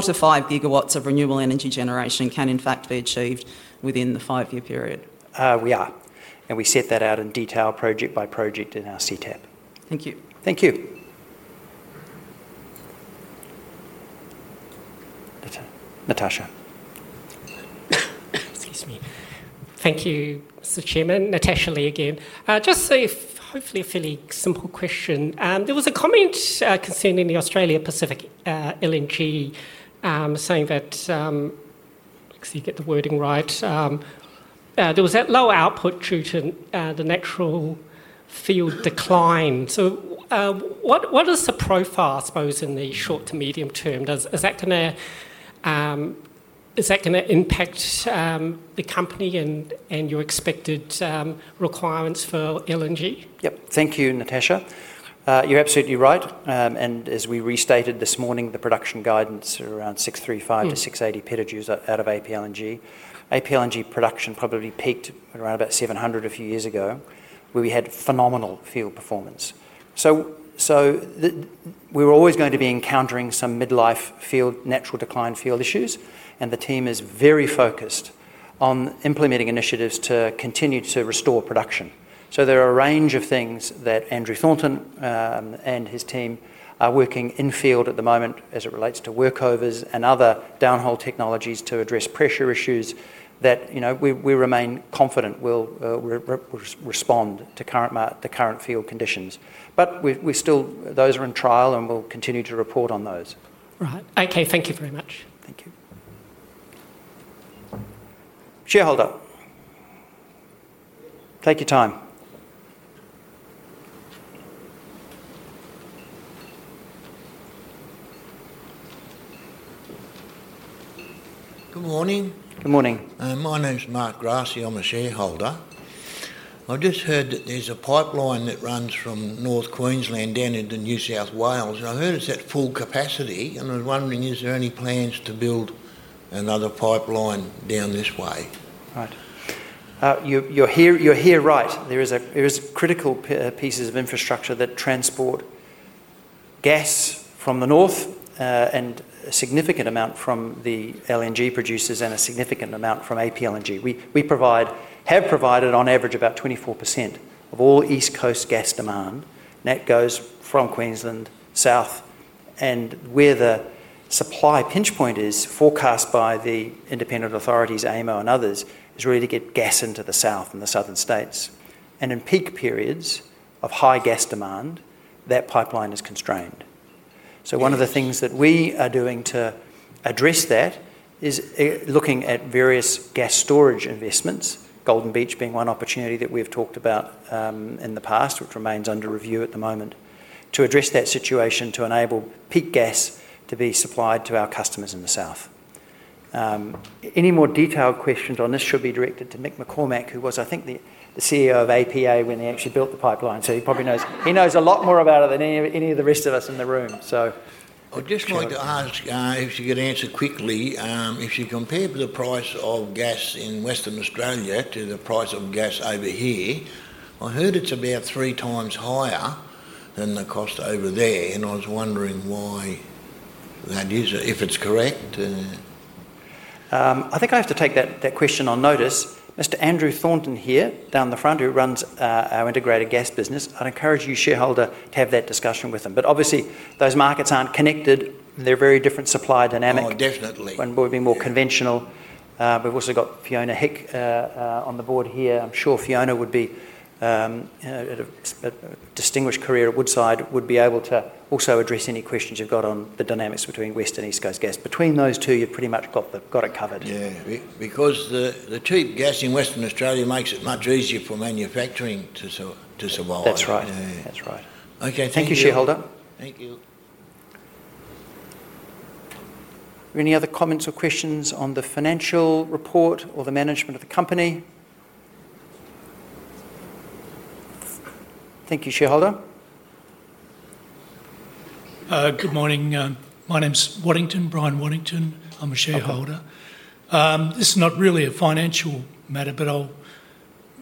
to 5 GW of renewable energy generation can in fact be achieved within the five-year period? We are, and we set that out in detail project by project in our Climate Transition Action Plan. Thank you. Thank you. Natasha. Excuse me. Thank you, Mr. Chairman. Natasha Lee again. Just a hopefully fairly simple question. There was a comment concerning Australia Pacific LNG saying that, let's see if you get the wording right, there was that low output due to the natural field decline. What is the profile, I suppose, in the short to medium term? Is that going to impact the company and your expected requirements for LNG? Thank you, Natasha. You're absolutely right. As we restated this morning, the production guidance is around 635 PJ-680 PJ out of APLNG. APLNG production probably peaked at about 700 a few years ago, where we had phenomenal field performance. We're always going to be encountering some midlife field, natural decline field issues, and the team is very focused on implementing initiatives to continue to restore production. There are a range of things that Andrew Thornton and his team are working in field at the moment as it relates to workovers and other downhole technologies to address pressure issues that we remain confident will respond to current field conditions. Those are in trial, and we'll continue to report on those. Right. Okay, thank you very much. Thank you. Chairholder, take your time. Good morning. Good morning. My name's Mark Grassy. I'm a shareholder. I just heard that there's a pipeline that runs from North Queensland down into New South Wales, and I heard it's at full capacity. I was wondering, is there any plans to build another pipeline down this way? Right. You're here, right. There are critical pieces of infrastructure that transport gas from the north and a significant amount from the LNG producers and a significant amount from APLNG. We provide, have provided on average about 24% of all East Coast gas demand. Net goes from Queensland south, where the supply pinch point is forecast by the independent authorities, AMO and others, is really to get gas into the south and the southern states. In peak periods of high gas demand, that pipeline is constrained. One of the things that we are doing to address that is looking at various gas storage investments, Golden Beach being one opportunity that we've talked about in the past, which remains under review at the moment, to address that situation to enable peak gas to be supplied to our customers in the south. Any more detailed questions on this should be directed to Michael McCormack, who was, I think, the CEO of APA when they actually built the pipeline. He probably knows, he knows a lot more about it than any of the rest of us in the room. I just wanted to ask if you could answer quickly, if you compare the price of gas in Western Australia to the price of gas over here, I heard it's about three times higher than the cost over there, and I was wondering why that is, if it's correct. I think I have to take that question on notice. Mr. Andrew Thornton here down the front, who runs our Integrated Gas business, I'd encourage you, shareholder, to have that discussion with him. Obviously, those markets aren't connected. They're very different supply dynamics. Oh, definitely. One would be more conventional. We've also got Fiona Hick on the board here. I'm sure Fiona, with a distinguished career at Woodside, would be able to also address any questions you've got on the dynamics between West and East Coast gas. Between those two, you've pretty much got it covered. Yeah, because the cheap gas in Western Australia makes it much easier for manufacturing to survive. That's right. Yeah, that's right. Okay, thank you, shareholder. Thank you. Are there any other comments or questions on the financial report or the management of the company? Thank you, shareholder. Good morning. My name's Waddington, Brian Waddington. I'm a shareholder. This is not really a financial matter, but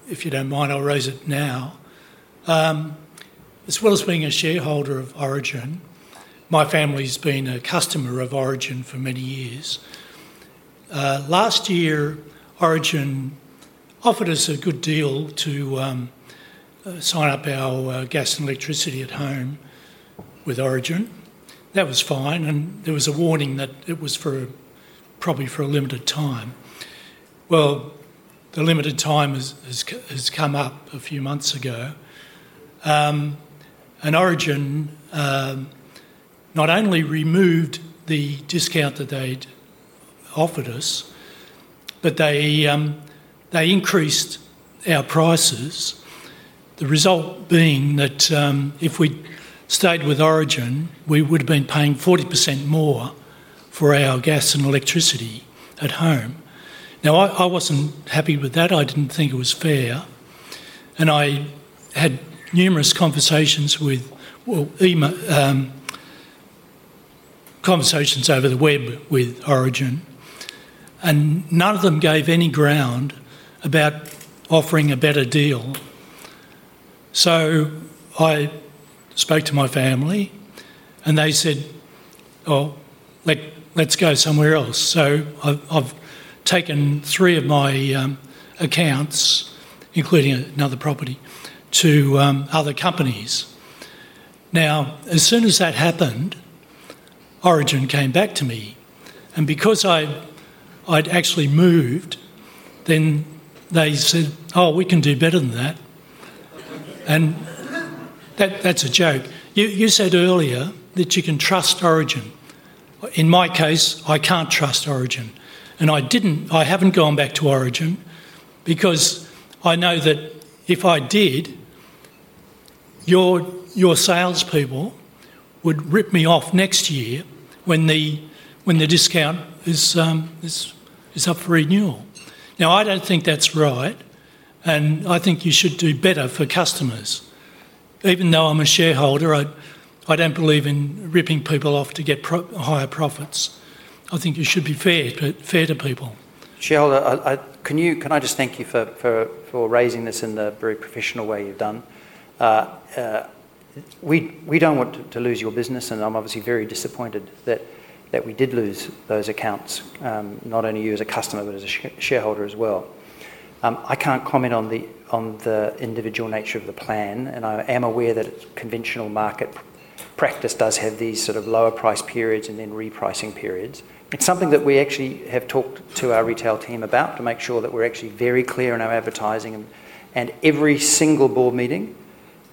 if you don't mind, I'll raise it now. As well as being a shareholder of Origin, my family's been a customer of Origin for many years. Last year, Origin offered us a good deal to sign up our gas and electricity at home with Origin. That was fine, and there was a warning that it was probably for a limited time. The limited time has come up a few months ago, and Origin not only removed the discount that they'd offered us, but they increased our prices, the result being that if we'd stayed with Origin, we would have been paying 40% more for our gas and electricity at home. I wasn't happy with that. I didn't think it was fair, and I had numerous conversations with, conversations over the web with Origin, and none of them gave any ground about offering a better deal. I spoke to my family, and they said, "Oh, let's go somewhere else." I've taken three of my accounts, including another property, to other companies. As soon as that happened, Origin came back to me, and because I'd actually moved, they said, "Oh, we can do better than that." That's a joke. You said earlier that you can trust Origin. In my case, I can't trust Origin, and I haven't gone back to Origin because I know that if I did, your salespeople would rip me off next year when the discount is up for renewal. I don't think that's right, and I think you should do better for customers. Even though I'm a shareholder, I don't believe in ripping people off to get higher profits. I think you should be fair to people. Shareholder, can I just thank you for raising this in the very professional way you've done? We don't want to lose your business, and I'm obviously very disappointed that we did lose those accounts, not only you as a customer, but as a shareholder as well. I can't comment on the individual nature of the plan, and I am aware that conventional market practice does have these sort of lower price periods and then repricing periods. It's something that we actually have talked to our retail team about to make sure that we're actually very clear in our advertising, and every single Board meeting,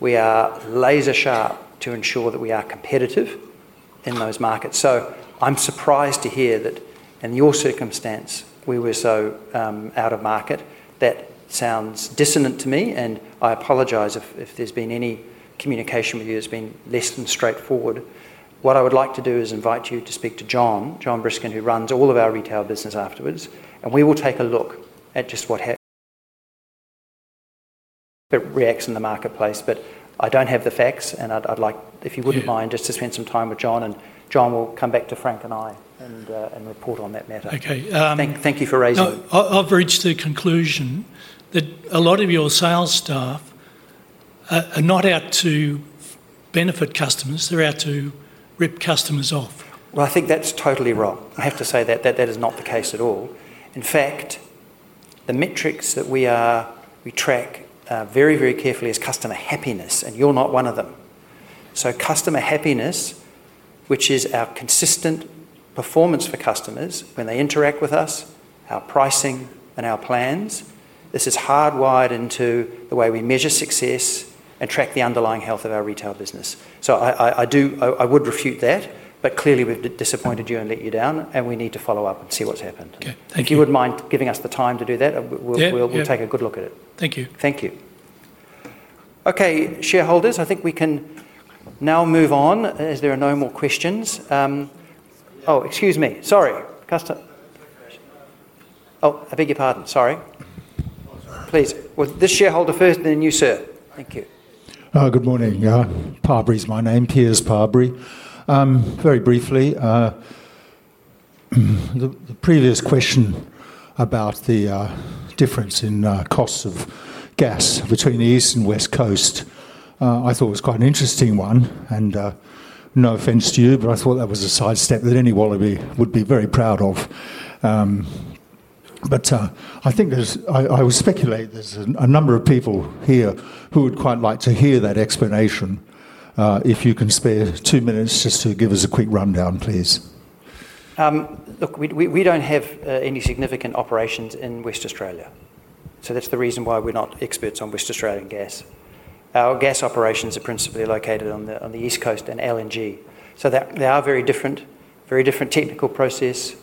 we are laser sharp to ensure that we are competitive in those markets. I'm surprised to hear that in your circumstance, we were so out of market. That sounds dissonant to me, and I apologize if there's been any communication with you that's been less than straightforward. What I would like to do is invite you to speak to Jon Briskin, who runs all of our retail business afterwards, and we will take a look at just what reacts in the marketplace. I don't have the facts, and I'd like, if you wouldn't mind, just to spend some time with Jon, and Jon will come back to Frank and I and report on that matter. Okay. Thank you for raising it. I've reached the conclusion that a lot of your sales staff are not out to benefit customers. They're out to rip customers off. I think that's totally wrong. I have to say that that is not the case at all. In fact, the metrics that we track very, very carefully are customer happiness, and you're not one of them. Customer happiness, which is our consistent performance for customers when they interact with us, our pricing, and our plans, is hardwired into the way we measure success and track the underlying health of our retail business. I would refute that, but clearly we've disappointed you and let you down, and we need to follow up and see what's happened. Okay, thank you. If you wouldn't mind giving us the time to do that, we'll take a good look at it. Thank you. Thank you. Okay, shareholders, I think we can now move on as there are no more questions. Excuse me. Sorry, customer. I beg your pardon. Sorry. Please, this shareholder first, then you, sir. Thank you. Good morning. Parbury is my name, Piers Parbury. Very briefly, the previous question about the difference in costs of gas between the East and West Coast, I thought it was quite an interesting one, and no offense to you, but I thought that was a sidestep that any Wallaby would be very proud of. I think there's, I would speculate there's a number of people here who would quite like to hear that explanation. If you can spare two minutes just to give us a quick rundown, please. Look, we don't have any significant operations in Western Australia. That's the reason why we're not experts on Western Australian gas. Our gas operations are principally located on the East Coast and LNG. They are very different, very different technical process.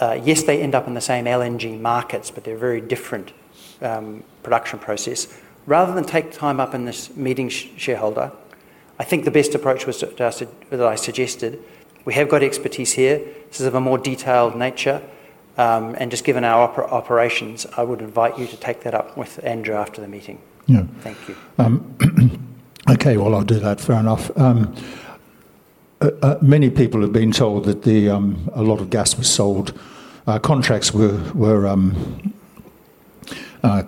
Yes, they end up in the same LNG markets, but they're a very different production process. Rather than take time up in this meeting, shareholder, I think the best approach was that I suggested. We have got expertise here. This is of a more detailed nature, and just given our operations, I would invite you to take that up with Andrew after the meeting. Okay, I'll do that. Fair enough. Many people have been told that a lot of gas was sold. Contracts were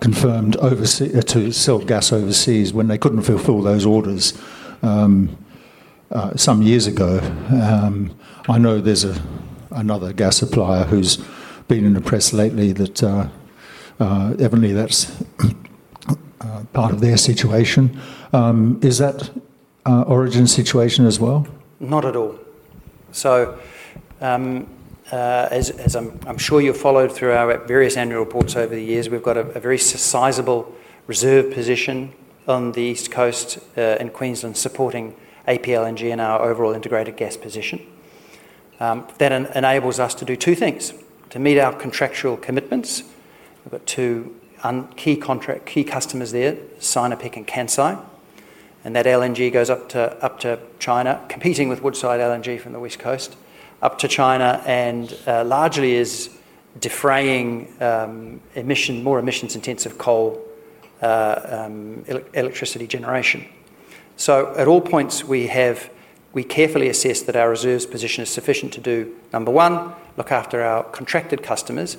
confirmed to sell gas overseas when they couldn't fulfill those orders some years ago. I know there's another gas supplier who's been in the press lately that evidently that's part of their situation. Is that Origin's situation as well? Not at all. As I'm sure you've followed through our various annual reports over the years, we've got a very sizable reserve position on the East Coast and Queensland supporting APLNG in our overall integrated gas position. That enables us to do two things: to meet our contractual commitments—we've got two key customers there, Sinopec and Kansai—and that LNG goes up to China, competing with Woodside LNG from the West Coast, up to China and largely is defraying more emissions-intensive coal electricity generation. At all points, we carefully assess that our reserves position is sufficient to do, number one, look after our contracted customers,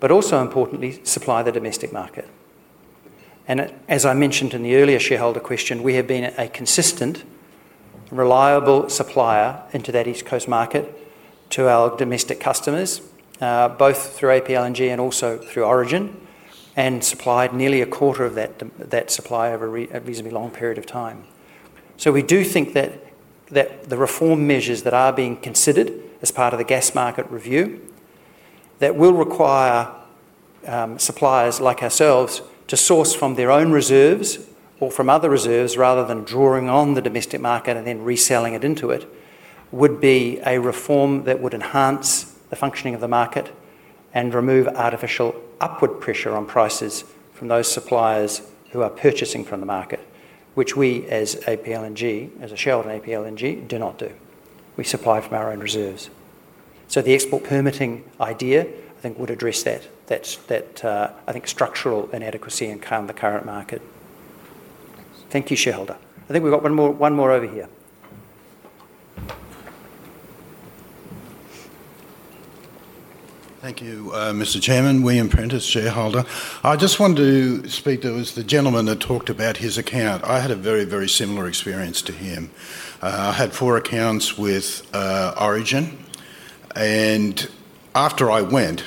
but also importantly, supply the domestic market. As I mentioned in the earlier shareholder question, we have been a consistent, reliable supplier into that East Coast market to our domestic customers, both through APLNG and also through Origin, and supplied nearly a quarter of that supply over a reasonably long period of time. We do think that the reform measures that are being considered as part of the gas market review, that will require suppliers like ourselves to source from their own reserves or from other reserves rather than drawing on the domestic market and then reselling it into it, would be a reform that would enhance the functioning of the market and remove artificial upward pressure on prices from those suppliers who are purchasing from the market, which we as APLNG, as a shareholder in APLNG, do not do. We supply from our own reserves. The export permitting idea, I think, would address that structural inadequacy and calm the current market. Thank you, shareholder. I think we've got one more over here. Thank you, Mr. Chairman. William Prentice, shareholder. I just wanted to speak to the gentleman that talked about his account. I had a very, very similar experience to him. I had four accounts with Origin, and after I went,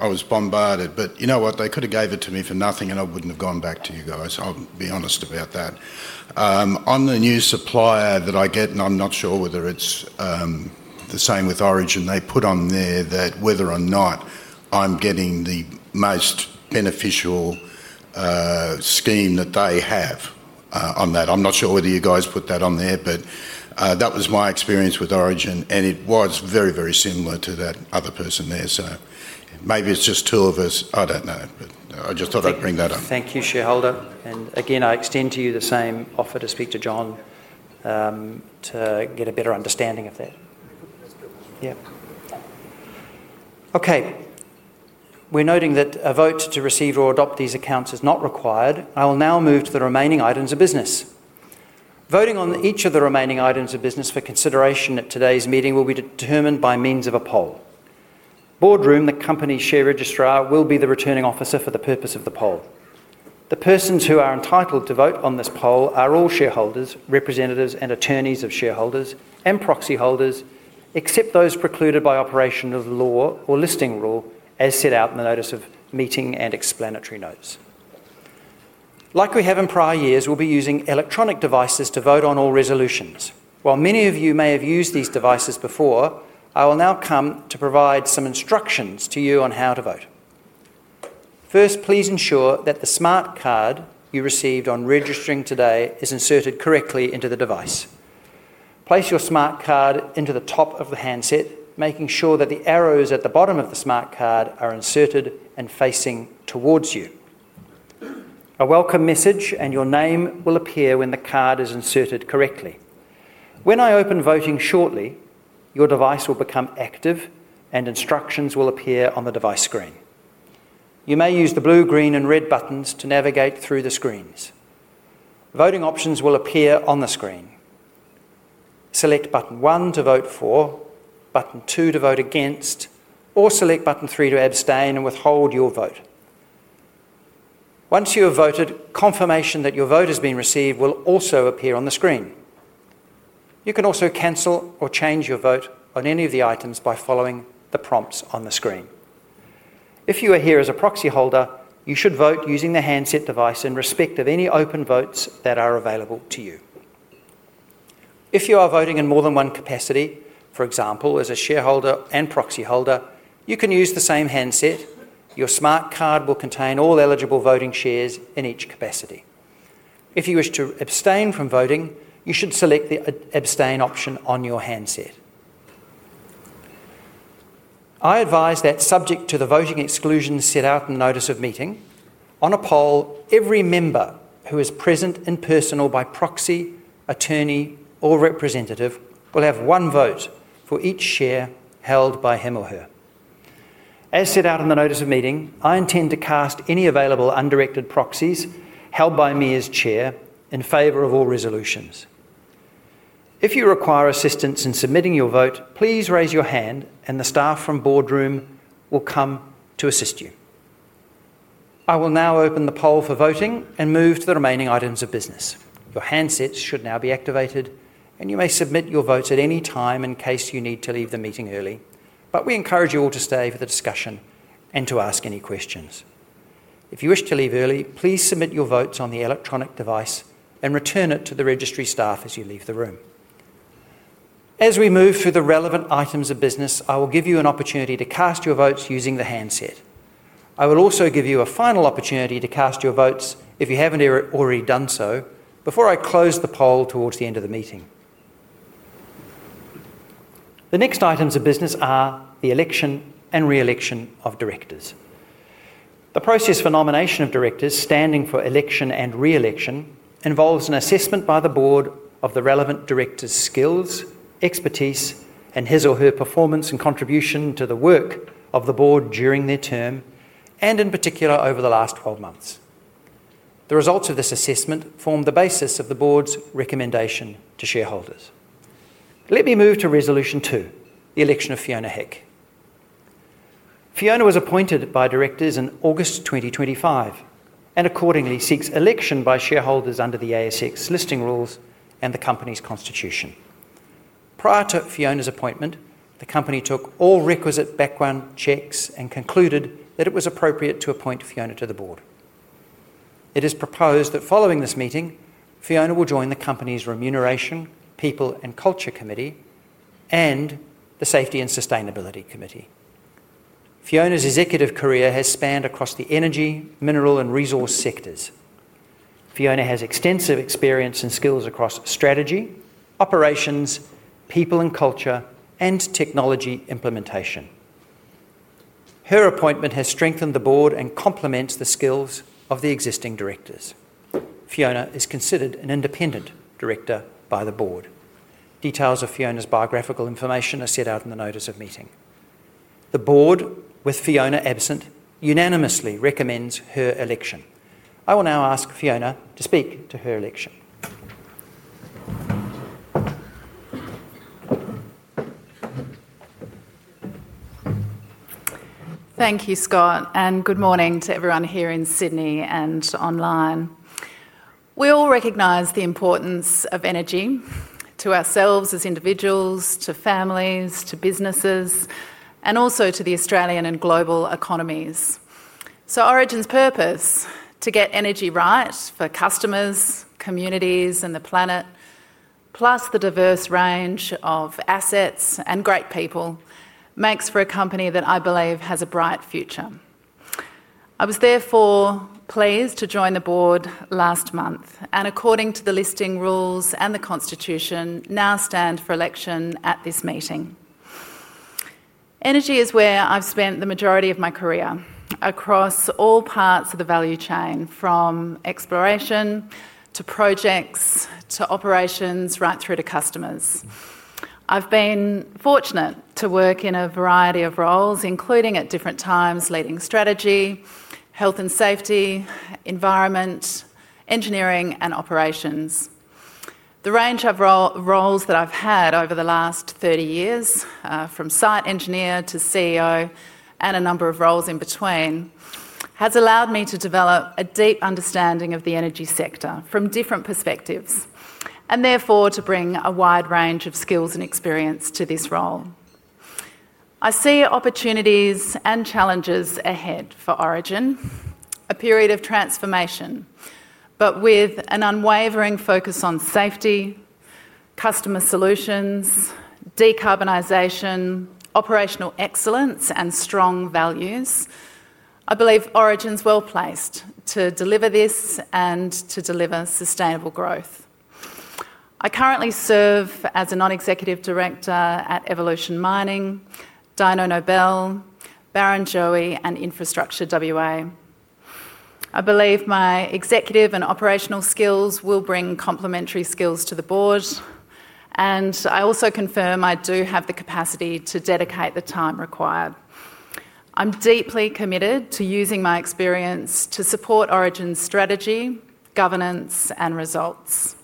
I was bombarded. You know what? They could have gave it to me for nothing, and I wouldn't have gone back to you guys. I'll be honest about that. I'm the new supplier that I get, and I'm not sure whether it's the same with Origin. They put on there whether or not I'm getting the most beneficial scheme that they have on that. I'm not sure whether you guys put that on there, but that was my experience with Origin, and it was very, very similar to that other person there. Maybe it's just two of us. I don't know, but I just thought I'd bring that up. Thank you, shareholder. I extend to you the same offer to speak to John to get a better understanding of that. Okay. We're noting that a vote to receive or adopt these accounts is not required. I will now move to the remaining items of business. Voting on each of the remaining items of business for consideration at today's meeting will be determined by means of a poll. Boardroom, the company's share registrar, will be the returning officer for the purpose of the poll. The persons who are entitled to vote on this poll are all shareholders, representatives, and attorneys of shareholders and proxy holders, except those precluded by operation of law or listing rule, as set out in the notice of meeting and explanatory notes. Like we have in prior years, we'll be using electronic devices to vote on all resolutions. While many of you may have used these devices before, I will now come to provide some instructions to you on how to vote. First, please ensure that the smart card you received on registering today is inserted correctly into the device. Place your smart card into the top of the handset, making sure that the arrows at the bottom of the smart card are inserted and facing towards you. A welcome message and your name will appear when the card is inserted correctly. When I open voting shortly, your device will become active and instructions will appear on the device screen. You may use the blue, green, and red buttons to navigate through the screens. Voting options will appear on the screen. Select button one to vote for, button two to vote against, or select button three to abstain and withhold your vote. Once you have voted, confirmation that your vote has been received will also appear on the screen. You can also cancel or change your vote on any of the items by following the prompts on the screen. If you are here as a proxy holder, you should vote using the handset device in respect of any open votes that are available to you. If you are voting in more than one capacity, for example, as a shareholder and proxy holder, you can use the same handset. Your smart card will contain all eligible voting shares in each capacity. If you wish to abstain from voting, you should select the abstain option on your handset. I advise that subject to the voting exclusions set out in the notice of meeting, on a poll, every member who is present in person or by proxy, attorney, or representative will have one vote for each share held by him or her. As set out in the notice of meeting, I intend to cast any available undirected proxies held by me as Chair in favor of all resolutions. If you require assistance in submitting your vote, please raise your hand and the staff from Boardroom will come to assist you. I will now open the poll for voting and move to the remaining items of business. Your handsets should now be activated and you may submit your votes at any time in case you need to leave the meeting early, but we encourage you all to stay for the discussion and to ask any questions. If you wish to leave early, please submit your votes on the electronic device and return it to the registry staff as you leave the room. As we move through the relevant items of business, I will give you an opportunity to cast your votes using the handset. I will also give you a final opportunity to cast your votes if you haven't already done so before I close the poll towards the end of the meeting. The next items of business are the election and re-election of directors. The process for nomination of directors standing for election and re-election involves an assessment by the Board of the relevant director's skills, expertise, and his or her performance and contribution to the work of the Board during their term, and in particular over the last 12 months. The results of this assessment form the basis of the Board's recommendation to shareholders. Let me move to resolution two, the election of Fiona Hick. Fiona was appointed by directors in August 2023 and accordingly seeks election by shareholders under the ASX listing rules and the company's constitution. Prior to Fiona's appointment, the company took all requisite background checks and concluded that it was appropriate to appoint Fiona to the Board. It is proposed that following this meeting, Fiona will join the company's Remuneration, People, and Culture Committee, and the Safety and Sustainability Committee. Fiona's executive career has spanned across the energy, mineral, and resource sectors. Fiona has extensive experience and skills across strategy, operations, people, and culture, and technology implementation. Her appointment has strengthened the Board and complements the skills of the existing directors. Fiona is considered an independent director by the Board. Details of Fiona's biographical information are set out in the notice of meeting. The Board, with Fiona absent, unanimously recommends her election. I will now ask Fiona to speak to her election. Thank you, Scott, and good morning to everyone here in Sydney and online. We all recognize the importance of energy to ourselves as individuals, to families, to businesses, and also to the Australian and global economies. Origin's purpose to get energy right for customers, communities, and the planet, plus the diverse range of assets and great people, makes for a company that I believe has a bright future. I was therefore pleased to join the board last month, and according to the listing rules and the constitution, now stand for election at this meeting. Energy is where I've spent the majority of my career, across all parts of the value chain, from exploration to projects to operations, right through to customers. I've been fortunate to work in a variety of roles, including at different times leading strategy, health and safety, environment, engineering, and operations. The range of roles that I've had over the last 30 years, from site engineer to CEO and a number of roles in between, has allowed me to develop a deep understanding of the energy sector from different perspectives, and therefore to bring a wide range of skills and experience to this role. I see opportunities and challenges ahead for Origin, a period of transformation, with an unwavering focus on safety, customer solutions, decarbonization, operational excellence, and strong values. I believe Origin's well-placed to deliver this and to deliver sustainable growth. I currently serve as a Non-Executive Director at Evolution Mining, Dyno Nobel, Barrenjoey Markets Pty Limited, and Infrastructure WA. I believe my executive and operational skills will bring complementary skills to the board, and I also confirm I do have the capacity to dedicate the time required. I'm deeply committed to using my experience to support Origin's strategy, governance, and results.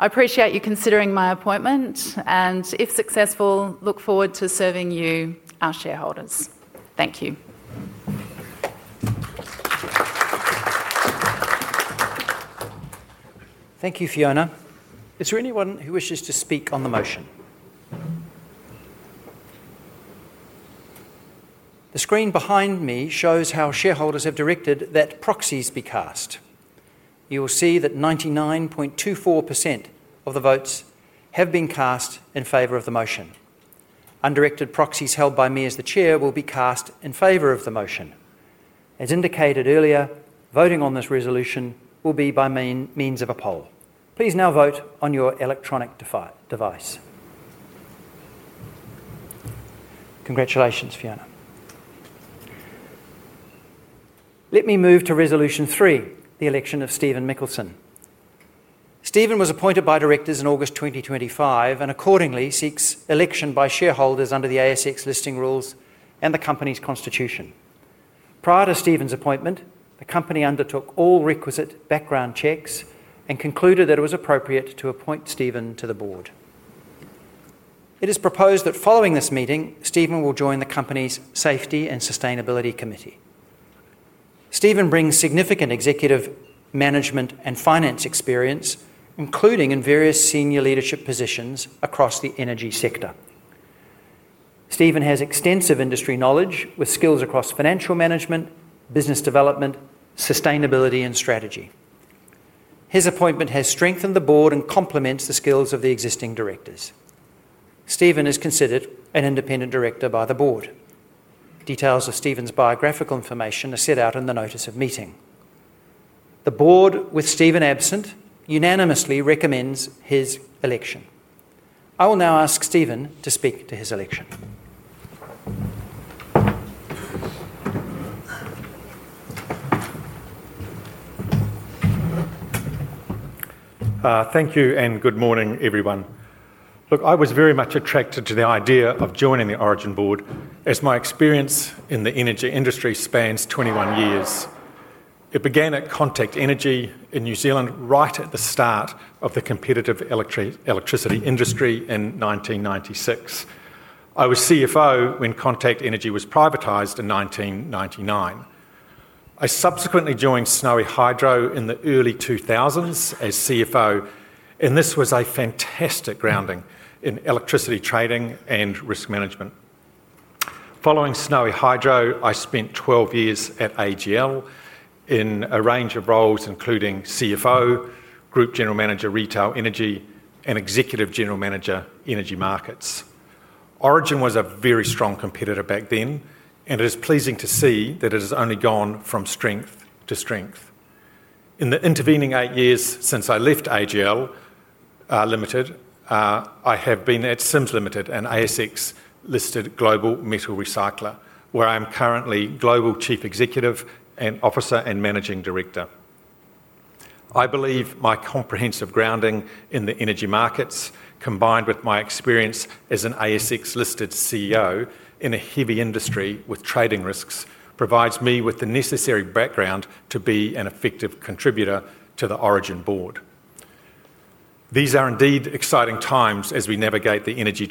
I appreciate you considering my appointment, and if successful, look forward to serving you, our shareholders. Thank you. Thank you, Fiona. Is there anyone who wishes to speak on the motion? The screen behind me shows how shareholders have directed that proxies be cast. You will see that 99.24% of the votes have been cast in favor of the motion. Undirected proxies held by me as the Chair will be cast in favor of the motion. As indicated earlier, voting on this resolution will be by means of a poll. Please now vote on your electronic device. Congratulations, Fiona. Let me move to Resolution 3, the election of Stephen Mikkelsen. Steven was appointed by directors in August 2025 and accordingly seeks election by shareholders under the ASX listing rules and the company's constitution. Prior to Steven's appointment, the company undertook all requisite background checks and concluded that it was appropriate to appoint Steven to the board. It is proposed that following this meeting, Steven will join the company's Safety and Sustainability Committee. Steven brings significant executive management and finance experience, including in various senior leadership positions across the energy sector. Steven has extensive industry knowledge with skills across financial management, business development, sustainability, and strategy. His appointment has strengthened the board and complements the skills of the existing directors. Steven is considered an independent director by the board. Details of Steven's biographical information are set out in the notice of meeting. The board, with Steven absent, unanimously recommends his election. I will now ask Steven to speak to his election. Thank you and good morning, everyone. Look, I was very much attracted to the idea of joining the Origin Board as my experience in the energy industry spans 21 years. It began at Contact Energy in New Zealand right at the start of the competitive electricity industry in 1996. I was CFO when Contact Energy was privatized in 1999. I subsequently joined Snowy Hydro in the early 2000s as CFO, and this was a fantastic grounding in electricity trading and risk management. Following Snowy Hydro, I spent 12 years at AGL in a range of roles including CFO, Group General Manager Retail Energy, and Executive General Manager Energy Markets. Origin was a very strong competitor back then, and it is pleasing to see that it has only gone from strength to strength. In the intervening eight years since I left AGL Ltd, I have been at Sims Ltd, an ASX listed global metal recycler, where I am currently Global Chief Executive and Officer and Managing Director. I believe my comprehensive grounding in the energy markets, combined with my experience as an ASX listed CEO in a heavy industry with trading risks, provides me with the necessary background to be an effective contributor to the Origin Board. These are indeed exciting times as we navigate the energy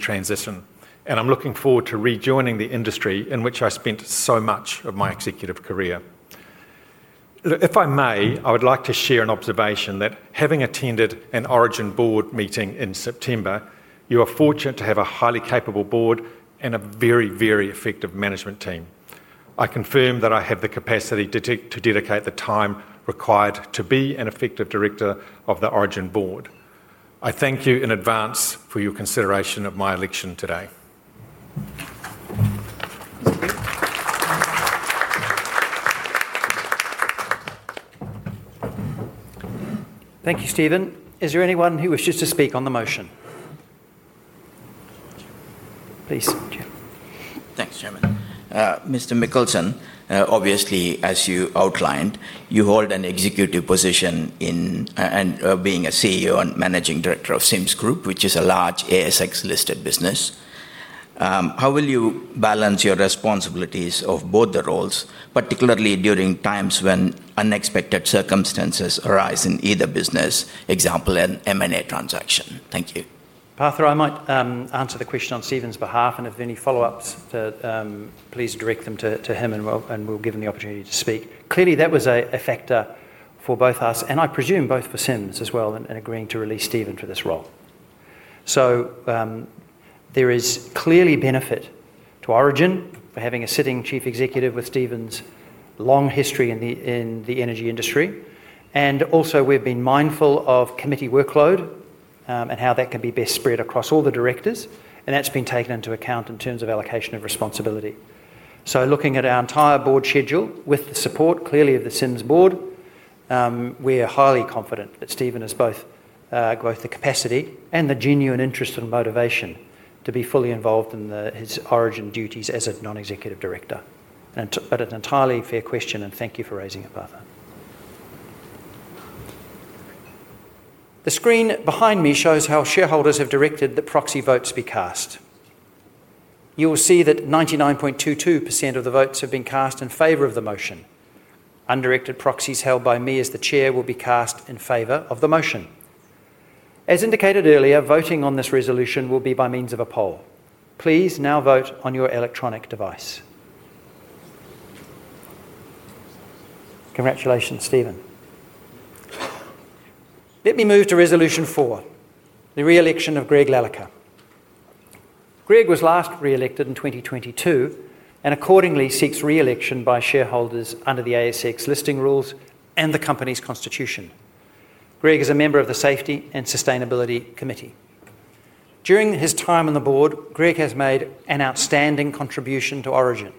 transition, and I'm looking forward to rejoining the industry in which I spent so much of my executive career. If I may, I would like to share an observation that having attended an Origin Board meeting in September, you are fortunate to have a highly capable board and a very, very effective management team. I confirm that I have the capacity to dedicate the time required to be an effective director of the Origin Board. I thank you in advance for your consideration of my election today. Thank you, Steven. Is there anyone who wishes to speak on the motion? Please, Chair. Thanks, Chairman. Mr. Mickelson, obviously, as you outlined, you hold an executive position in being a CEO and Managing Director of Sims Group, which is a large ASX-listed business. How will you balance your responsibilities of both the roles, particularly during times when unexpected circumstances arise in either business, example an M&A transaction? Thank you. Parther, I might answer the question on Steven's behalf, and if there are any follow-ups, please direct them to him and we'll give him the opportunity to speak. Clearly, that was a factor for both us, and I presume both for Sims as well, in agreeing to release Steven for this role. There is clearly benefit to Origin for having a sitting Chief Executive with Steven's long history in the energy industry, and also we've been mindful of committee workload and how that can be best spread across all the directors, and that's been taken into account in terms of allocation of responsibility. Looking at our entire board schedule, with the support clearly of the Sims Board, we are highly confident that Steven has both the capacity and the genuine interest and motivation to be fully involved in his Origin duties as a Non-Executive Director. An entirely fair question, and thank you for raising it, Parther. The screen behind me shows how shareholders have directed that proxy votes be cast. You will see that 99.22% of the votes have been cast in favor of the motion. Undirected proxies held by me as the Chair will be cast in favor of the motion. As indicated earlier, voting on this resolution will be by means of a poll. Please now vote on your electronic device. Congratulations, Steven. Let me move to Resolution 4, the reelection of Greg Larrica. Greg was last reelected in 2022 and accordingly seeks reelection by shareholders under the ASX listing rules and the company's constitution. Greg is a member of the Safety and Sustainability Committee. During his time on the board, Greg has made an outstanding contribution to Origin.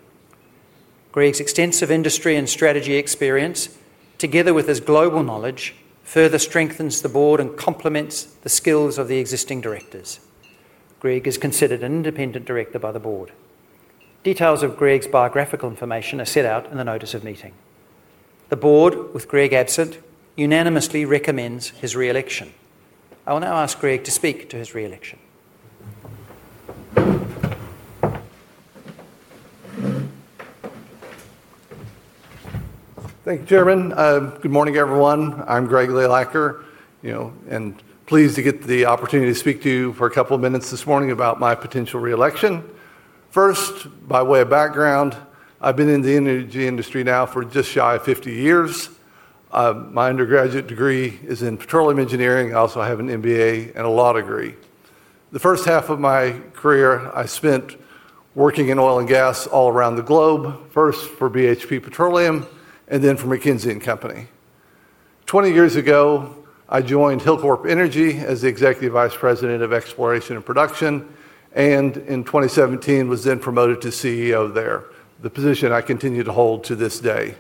Greg's extensive industry and strategy experience, together with his global knowledge, further strengthens the board and complements the skills of the existing directors. Greg is considered an independent director by the board. Details of Greg's biographical information are set out in the notice of meeting. The board, with Greg absent, unanimously recommends his reelection. I will now ask Greg to speak to his reelection. Thank you, Chairman. Good morning, everyone. I'm Greg Lalicker, you know, and pleased to get the opportunity to speak to you for a couple of minutes this morning about my potential reelection. First, by way of background, I've been in the energy industry now for just shy of 50 years. My undergraduate degree is in petroleum engineering. I also have an MBA and a law degree. The first half of my career, I spent working in oil and gas all around the globe, first for BHP Petroleum and then for McKinsey & Company. Twenty years ago, I joined Hilcorp Energy as the Executive Vice President of Exploration and Production, and in 2017, was then promoted to CEO there, the position I continue to hold to this day.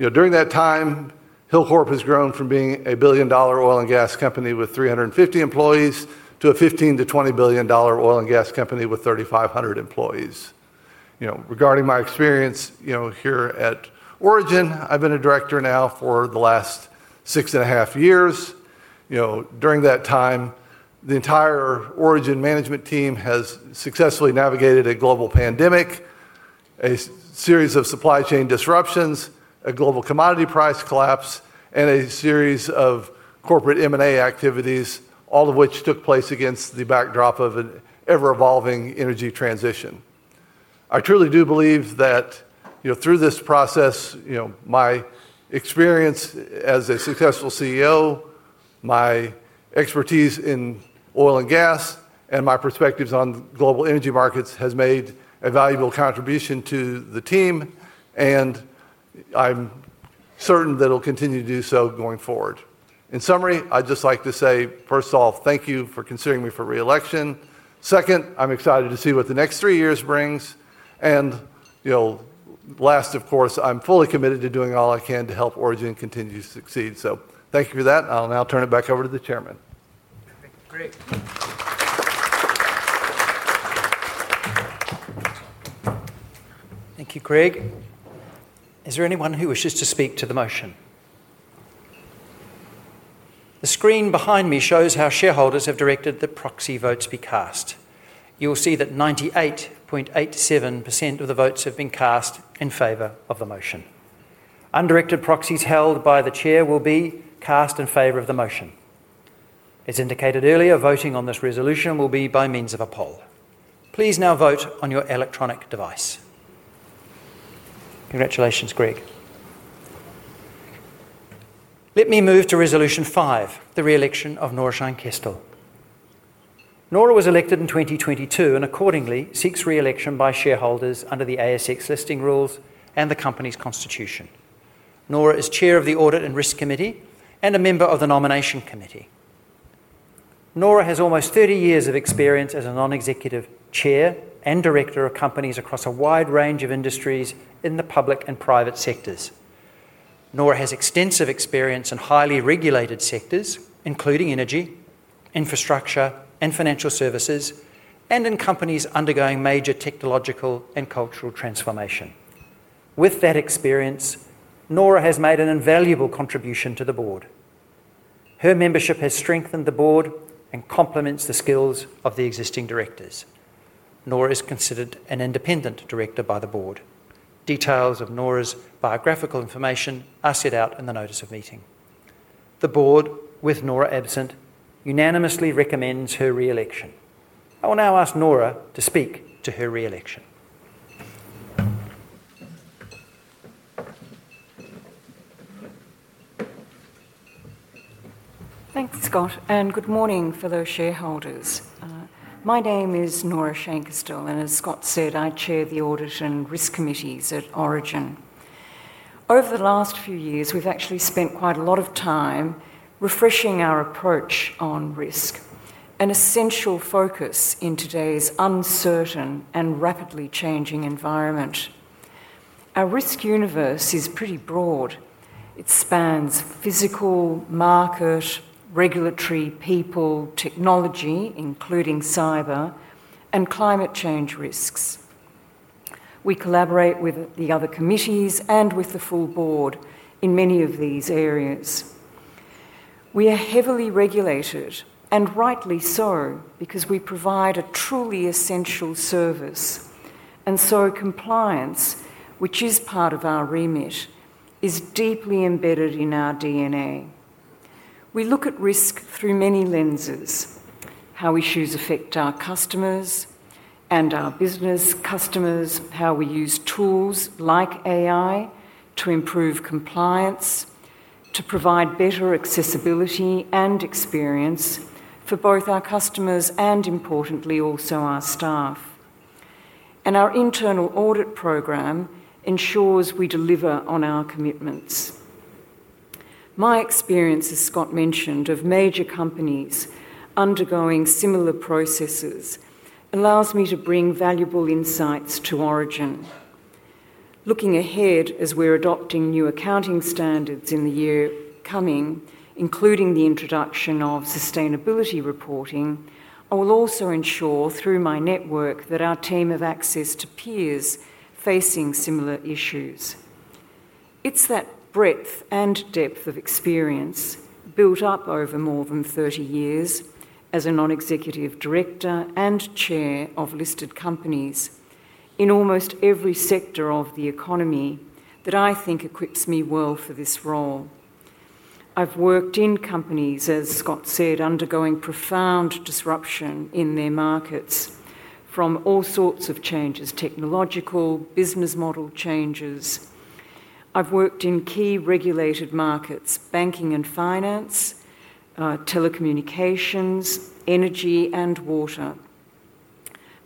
During that time, Hilcorp has grown from being a 1 billion dollar oil and gas company with 350 employees to a 15 to 20 billion dollar oil and gas company with 3,500 employees. Regarding my experience here at Origin, I've been a director now for the last six and a half years. During that time, the entire Origin management team has successfully navigated a global pandemic, a series of supply chain disruptions, a global commodity price collapse, and a series of corporate M&A activities, all of which took place against the backdrop of an ever-evolving energy transition. I truly do believe that through this process, my experience as a successful CEO, my expertise in oil and gas, and my perspectives on global energy markets have made a valuable contribution to the team, and I'm certain that it will continue to do so going forward. In summary, I'd just like to say, first of all, thank you for considering me for reelection. Second, I'm excited to see what the next three years brings, and last, of course, I'm fully committed to doing all I can to help Origin continue to succeed. Thank you for that, and I'll now turn it back over to the Chairman. Thank you, Greg. Is there anyone who wishes to speak to the motion? The screen behind me shows how shareholders have directed that proxy votes be cast. You will see that 98.87% of the votes have been cast in favor of the motion. Undirected proxies held by the Chair will be cast in favor of the motion. As indicated earlier, voting on this resolution will be by means of a poll. Please now vote on your electronic device. Congratulations, Greg. Let me move to Resolution 5, the reelection of Nora Scheinkestel. Nora was elected in 2022 and accordingly seeks reelection by shareholders under the ASX listing rules and the company's constitution. Nora is Chair of the Audit and Risk Committee and a member of the Nomination Committee. Nora has almost 30 years of experience as a non-executive Chair and Director of companies across a wide range of industries in the public and private sectors. Nora has extensive experience in highly regulated sectors, including energy, infrastructure, and financial services, and in companies undergoing major technological and cultural transformation. With that experience, Nora has made an invaluable contribution to the board. Her membership has strengthened the board and complements the skills of the existing directors. Nora is considered an independent director by the board. Details of Nora's biographical information are set out in the notice of meeting. The board, with Nora absent, unanimously recommends her reelection. I will now ask Nora to speak to her reelection. Thanks, Scott, and good morning for those shareholders. My name is Nora Scheinkestel, and as Scott said, I chair the Audit and Risk Committees at Origin. Over the last few years, we've actually spent quite a lot of time refreshing our approach on risk, an essential focus in today's uncertain and rapidly changing environment. Our risk universe is pretty broad. It spans physical, market, regulatory, people, technology, including cyber, and climate change risks. We collaborate with the other committees and with the full board in many of these areas. We are heavily regulated, and rightly so, because we provide a truly essential service, and so compliance, which is part of our remit, is deeply embedded in our DNA. We look at risk through many lenses: how issues affect our customers and our business customers, how we use tools like AI to improve compliance, to provide better accessibility and experience for both our customers and, importantly, also our staff. Our internal audit program ensures we deliver on our commitments. My experience, as Scott mentioned, of major companies undergoing similar processes allows me to bring valuable insights to Origin. Looking ahead, as we're adopting new accounting standards in the year coming, including the introduction of sustainability reporting, I will also ensure through my network that our team have access to peers facing similar issues. It's that breadth and depth of experience built up over more than 30 years as a non-executive director and chair of listed companies in almost every sector of the economy that I think equips me well for this role. I've worked in companies, as Scott said, undergoing profound disruption in their markets from all sorts of changes: technological, business model changes. I've worked in key regulated markets: banking and finance, telecommunications, energy, and water.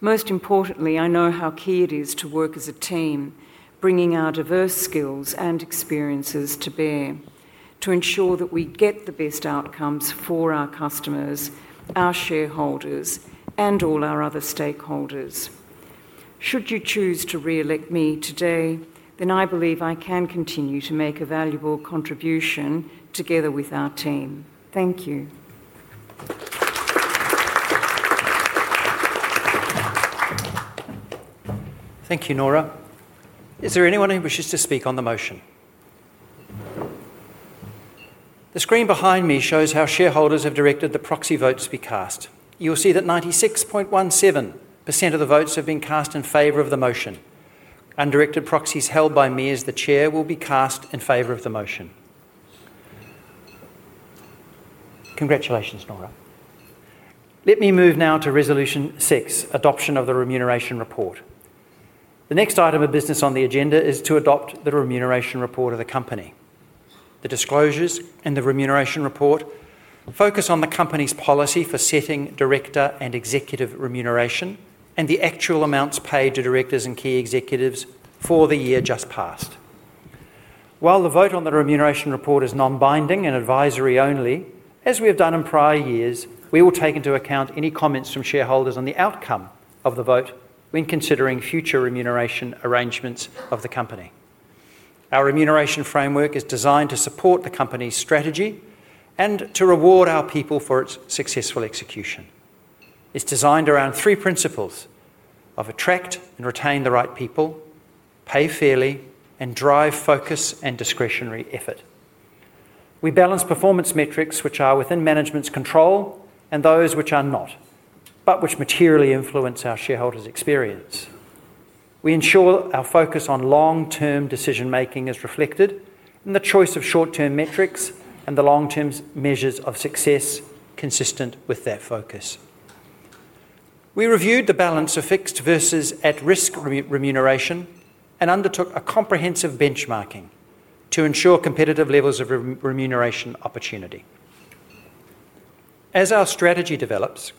Most importantly, I know how key it is to work as a team, bringing our diverse skills and experiences to bear to ensure that we get the best outcomes for our customers, our shareholders, and all our other stakeholders. Should you choose to reelect me today, then I believe I can continue to make a valuable contribution together with our team. Thank you. Thank you, Nora. Is there anyone who wishes to speak on the motion? The screen behind me shows how shareholders have directed the proxy votes be cast. You will see that 96.17% of the votes have been cast in favor of the motion. Undirected proxies held by me as the Chair will be cast in favor of the motion. Congratulations, Nora. Let me move now to Resolution 6, adoption of the remuneration report. The next item of business on the agenda is to adopt the remuneration report of the company. The disclosures in the remuneration report focus on the company's policy for setting director and executive remuneration and the actual amounts paid to directors and key executives for the year just passed. While the vote on the remuneration report is non-binding and advisory only, as we have done in prior years, we will take into account any comments from shareholders on the outcome of the vote when considering future remuneration arrangements of the company. Our remuneration framework is designed to support the company's strategy and to reward our people for its successful execution. It's designed around three principles: attract and retain the right people, pay fairly, and drive focus and discretionary effort. We balance performance metrics which are within management's control and those which are not, but which materially influence our shareholders' experience. We ensure our focus on long-term decision-making is reflected in the choice of short-term metrics and the long-term measures of success consistent with that focus. We reviewed the balance of fixed versus at-risk remuneration and undertook a comprehensive benchmarking to ensure competitive levels of remuneration opportunity. As our strategy develops,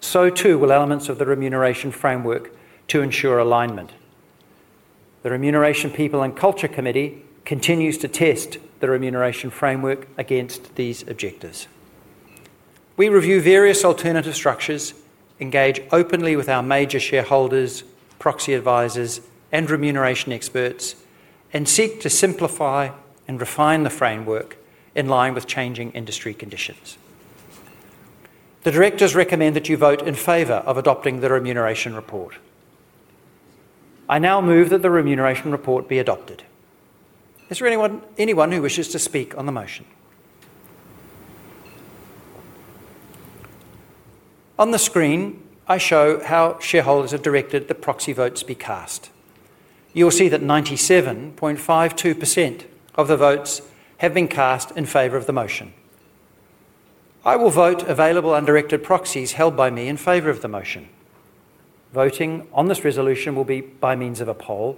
so too will elements of the remuneration framework to ensure alignment. The Remuneration People and Culture Committee continues to test the remuneration framework against these objectives. We review various alternative structures, engage openly with our major shareholders, proxy advisors, and remuneration experts, and seek to simplify and refine the framework in line with changing industry conditions. The directors recommend that you vote in favor of adopting the remuneration report. I now move that the remuneration report be adopted. Is there anyone who wishes to speak on the motion? On the screen, I show how shareholders have directed the proxy votes be cast. You will see that 97.52% of the votes have been cast in favor of the motion. I will vote available undirected proxies held by me in favor of the motion. Voting on this resolution will be by means of a poll.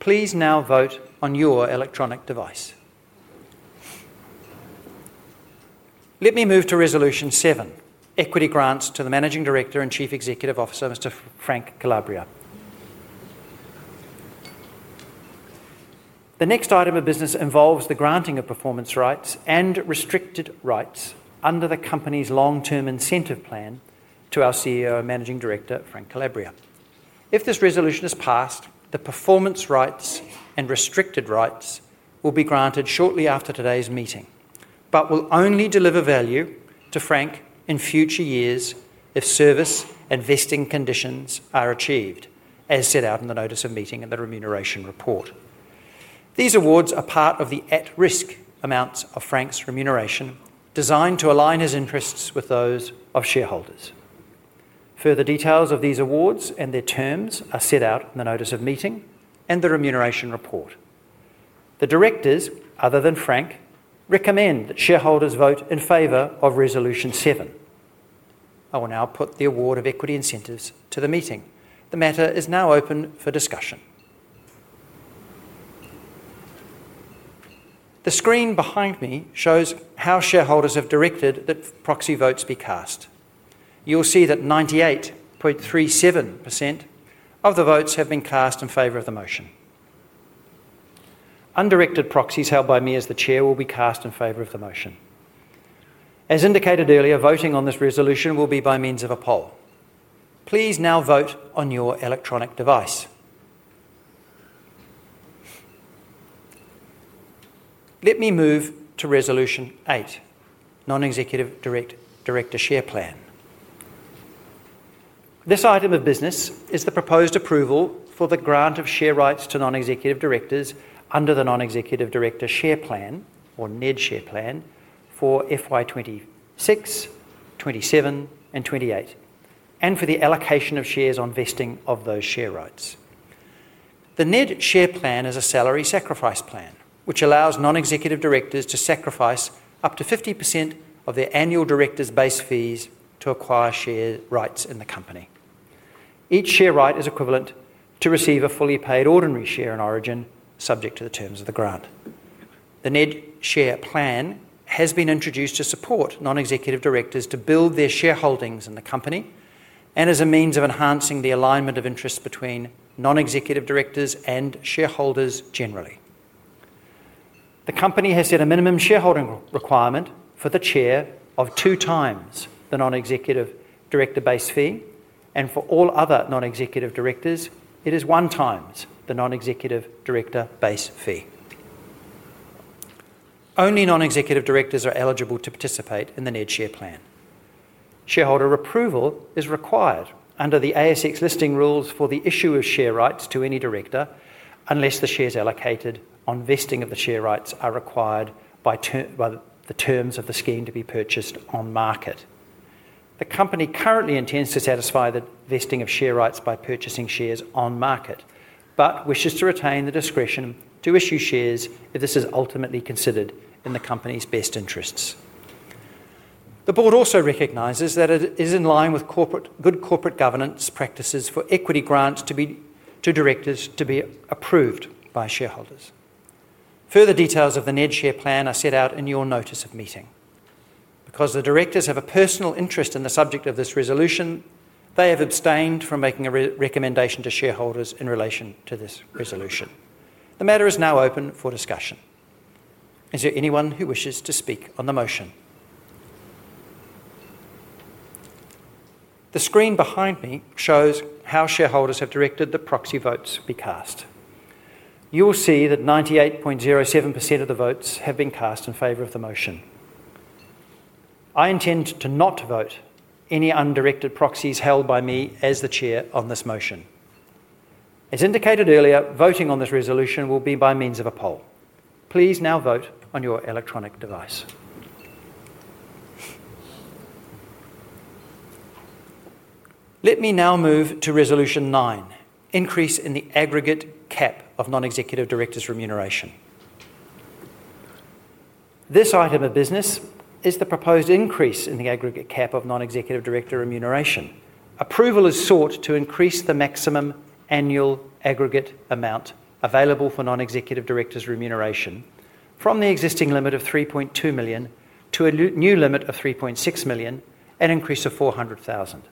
Please now vote on your electronic device. Let me move to Resolution 7, equity grants to the Managing Director and Chief Executive Officer, Mr. Frank Calabria. The next item of business involves the granting of performance rights and restricted rights under the company's long-term incentive plan to our CEO and Managing Director, Frank Calabria. If this resolution is passed, the performance rights and restricted rights will be granted shortly after today's meeting, but will only deliver value to Frank in future years if service and vesting conditions are achieved, as set out in the notice of meeting and the remuneration report. These awards are part of the at-risk amounts of Frank's remuneration, designed to align his interests with those of shareholders. Further details of these awards and their terms are set out in the notice of meeting and the remuneration report. The directors, other than Frank, recommend that shareholders vote in favor of Resolution 7. I will now put the award of equity incentives to the meeting. The matter is now open for discussion. The screen behind me shows how shareholders have directed that proxy votes be cast. You will see that 98.37% of the votes have been cast in favor of the motion. Undirected proxies held by me as the Chair will be cast in favor of the motion. As indicated earlier, voting on this resolution will be by means of a poll. Please now vote on your electronic device. Let me move to Resolution 8, non-executive director share plan. This item of business is the proposed approval for the grant of share rights to non-executive directors under the non-executive director share plan, or NED share plan, for FY 2026, 27, and 28, and for the allocation of shares on vesting of those share rights. The NED share plan is a salary sacrifice plan, which allows non-executive directors to sacrifice up to 50% of their annual director's base fees to acquire share rights in the company. Each share right is equivalent to receive a fully paid ordinary share in Origin, subject to the terms of the grant. The NED share plan has been introduced to support non-executive directors to build their shareholdings in the company and as a means of enhancing the alignment of interests between non-executive directors and shareholders generally. The company has set a minimum shareholding requirement for the Chair of two times the non-executive director base fee, and for all other non-executive directors, it is one times the non-executive director base fee. Only non-executive directors are eligible to participate in the NED share plan. Shareholder approval is required under the ASX listing rules for the issue of share rights to any director unless the shares allocated on vesting of the share rights are required by the terms of the scheme to be purchased on market. The company currently intends to satisfy the vesting of share rights by purchasing shares on market, but wishes to retain the discretion to issue shares if this is ultimately considered in the company's best interests. The board also recognizes that it is in line with good corporate governance practices for equity grants to directors to be approved by shareholders. Further details of the NED share plan are set out in your notice of meeting. Because the directors have a personal interest in the subject of this resolution, they have abstained from making a recommendation to shareholders in relation to this resolution. The matter is now open for discussion. Is there anyone who wishes to speak on the motion? The screen behind me shows how shareholders have directed the proxy votes be cast. You will see that 98.07% of the votes have been cast in favor of the motion. I intend to not vote any undirected proxies held by me as the Chair on this motion. As indicated earlier, voting on this resolution will be by means of a poll. Please now vote on your electronic device. Let me now move to Resolution 9, increase in the aggregate cap of non-executive directors' remuneration. This item of business is the proposed increase in the aggregate cap of non-executive director remuneration. Approval is sought to increase the maximum annual aggregate amount available for non-executive directors' remuneration from the existing limit of 3.2 million to a new limit of 3.6 million, an increase of 400,000.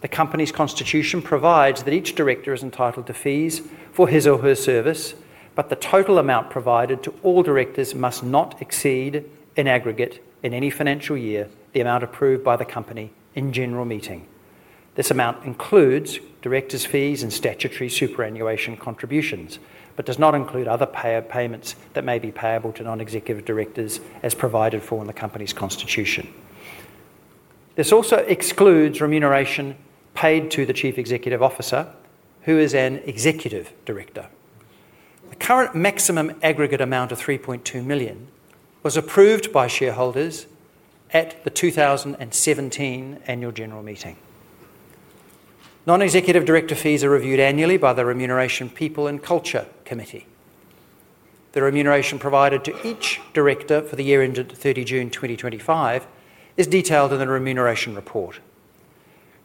The company's constitution provides that each director is entitled to fees for his or her service, but the total amount provided to all directors must not exceed, in aggregate, in any financial year, the amount approved by the company in general meeting. This amount includes directors' fees and statutory superannuation contributions, but does not include other payments that may be payable to non-executive directors as provided for in the company's constitution. This also excludes remuneration paid to the Chief Executive Officer, who is an executive director. The current maximum aggregate amount of 3.2 million was approved by shareholders at the 2017 Annual General Meeting. Non-executive director fees are reviewed annually by the Remuneration People and Culture Committee. The remuneration provided to each director for the year ended 30 June 2025 is detailed in the remuneration report.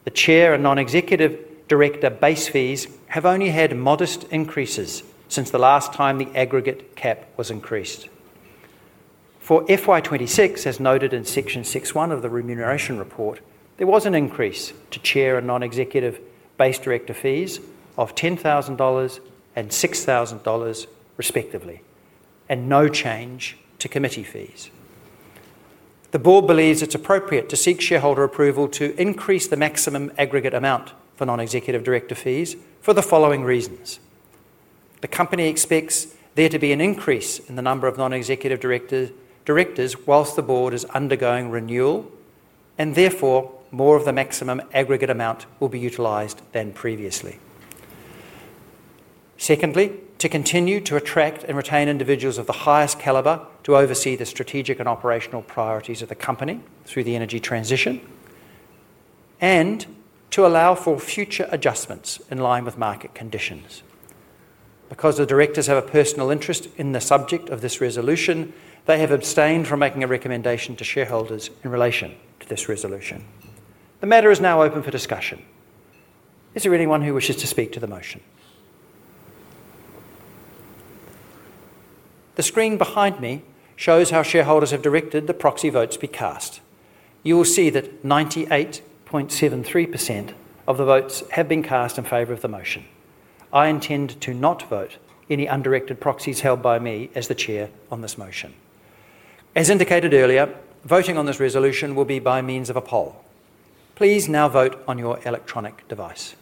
The Chair and non-executive director base fees have only had modest increases since the last time the aggregate cap was increased. For FY 2026, as noted in Section 6.1 of the remuneration report, there was an increase to Chair and non-executive base director fees of 10,000 dollars and 6,000 dollars, respectively, and no change to committee fees. The board believes it's appropriate to seek shareholder approval to increase the maximum aggregate amount for non-executive director fees for the following reasons. The company expects there to be an increase in the number of non-executive directors whilst the board is undergoing renewal, and therefore more of the maximum aggregate amount will be utilized than previously. Secondly, to continue to attract and retain individuals of the highest caliber to oversee the strategic and operational priorities of the company through the energy transition and to allow for future adjustments in line with market conditions. Because the directors have a personal interest in the subject of this resolution, they have abstained from making a recommendation to shareholders in relation to this resolution. The matter is now open for discussion. Is there anyone who wishes to speak to the motion? The screen behind me shows how shareholders have directed the proxy votes be cast. You will see that 98.73% of the votes have been cast in favor of the motion. I intend to not vote any undirected proxies held by me as the Chair on this motion. As indicated earlier, voting on this resolution will be by means of a poll. Please now vote on your electronic device.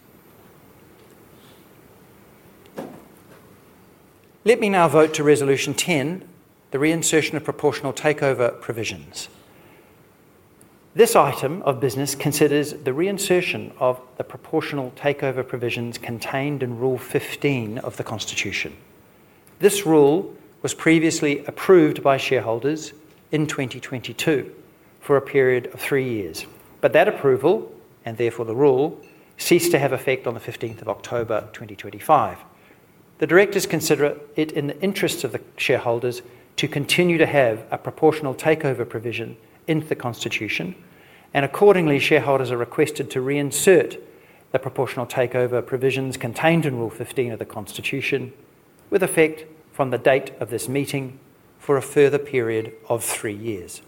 Let me now move to Resolution 10, the reinsertion of proportional takeover provisions. This item of business considers the reinsertion of the proportional takeover provisions contained in Rule 15 of the Constitution. This rule was previously approved by shareholders in 2022 for a period of three years, but that approval, and therefore the rule, ceased to have effect on the 15th of October 2025. The directors consider it in the interests of the shareholders to continue to have a proportional takeover provision in the Constitution, and accordingly, shareholders are requested to reinsert the proportional takeover provisions contained in Rule 15 of the Constitution with effect from the date of this meeting for a further period of three years.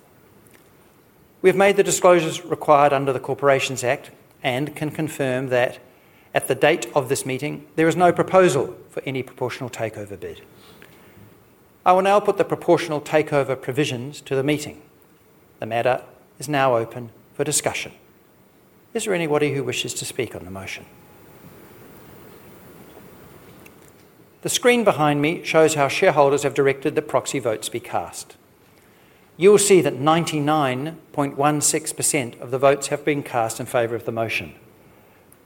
We've made the disclosures required under the Corporations Act and can confirm that at the date of this meeting, there is no proposal for any proportional takeover bid. I will now put the proportional takeover provisions to the meeting. The matter is now open for discussion. Is there anybody who wishes to speak on the motion? The screen behind me shows how shareholders have directed the proxy votes be cast. You will see that 99.16% of the votes have been cast in favor of the motion.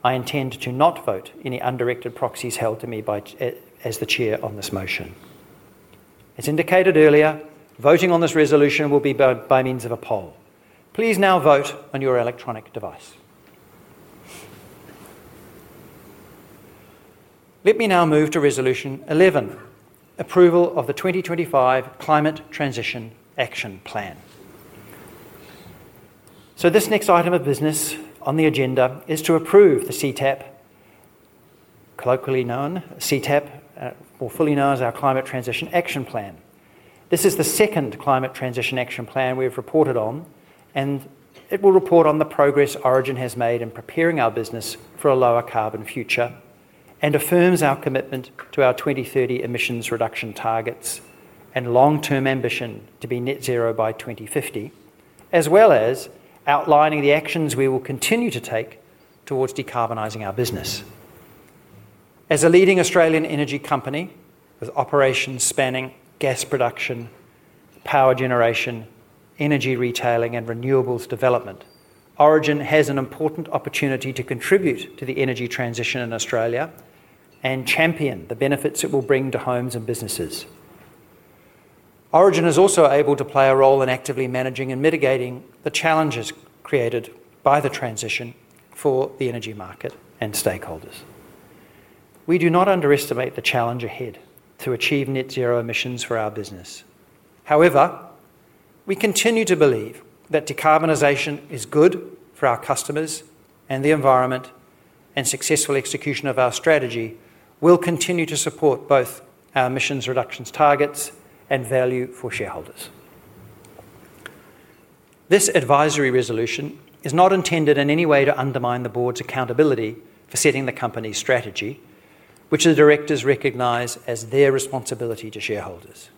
I intend to not vote any undirected proxies held to me as the Chair on this motion. As indicated earlier, voting on this resolution will be by means of a poll. Please now vote on your electronic device. Let me now move to Resolution 11, approval of the 2025 Climate Transition Action Plan. This next item of business on the agenda is to approve the CTAP, colloquially known as CTAP, or fully known as our Climate Transition Action Plan. This is the second Climate Transition Action Plan we've reported on, and it will report on the progress Origin has made in preparing our business for a lower carbon future and affirms our commitment to our 2030 emissions reduction targets and long-term ambition to be net zero by 2050, as well as outlining the actions we will continue to take towards decarbonizing our business. As a leading Australian energy company, with operations spanning gas production, power generation, energy retailing, and renewables development, Origin has an important opportunity to contribute to the energy transition in Australia and champion the benefits it will bring to homes and businesses. Origin is also able to play a role in actively managing and mitigating the challenges created by the transition for the energy market and stakeholders. We do not underestimate the challenge ahead to achieve net zero emissions for our business. However, we continue to believe that decarbonization is good for our customers and the environment, and successful execution of our strategy will continue to support both our emissions reduction targets and value for shareholders. This advisory resolution is not intended in any way to undermine the Board's accountability for setting the company's strategy, which the Directors recognize as their responsibility to shareholders.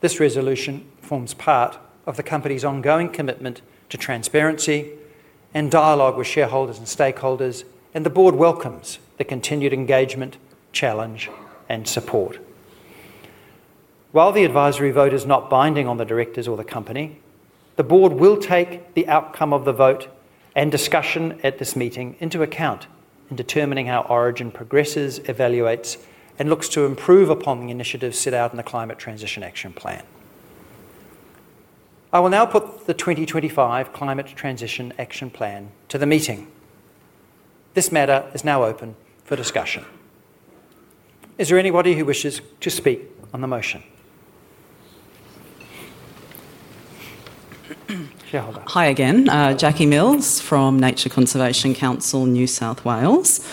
This resolution forms part of the company's ongoing commitment to transparency and dialogue with shareholders and stakeholders, and the Board welcomes the continued engagement, challenge, and support. While the advisory vote is not binding on the Directors or the company, the Board will take the outcome of the vote and discussion at this meeting into account in determining how Origin progresses, evaluates, and looks to improve upon the initiatives set out in the Climate Transition Action Plan. I will now put the 2025 Climate Transition Action Plan to the meeting. This matter is now open for discussion. Is there anybody who wishes to speak on the motion? Shareholder. Hi again, Jacqui Mills from Nature Conservation Council, New South Wales.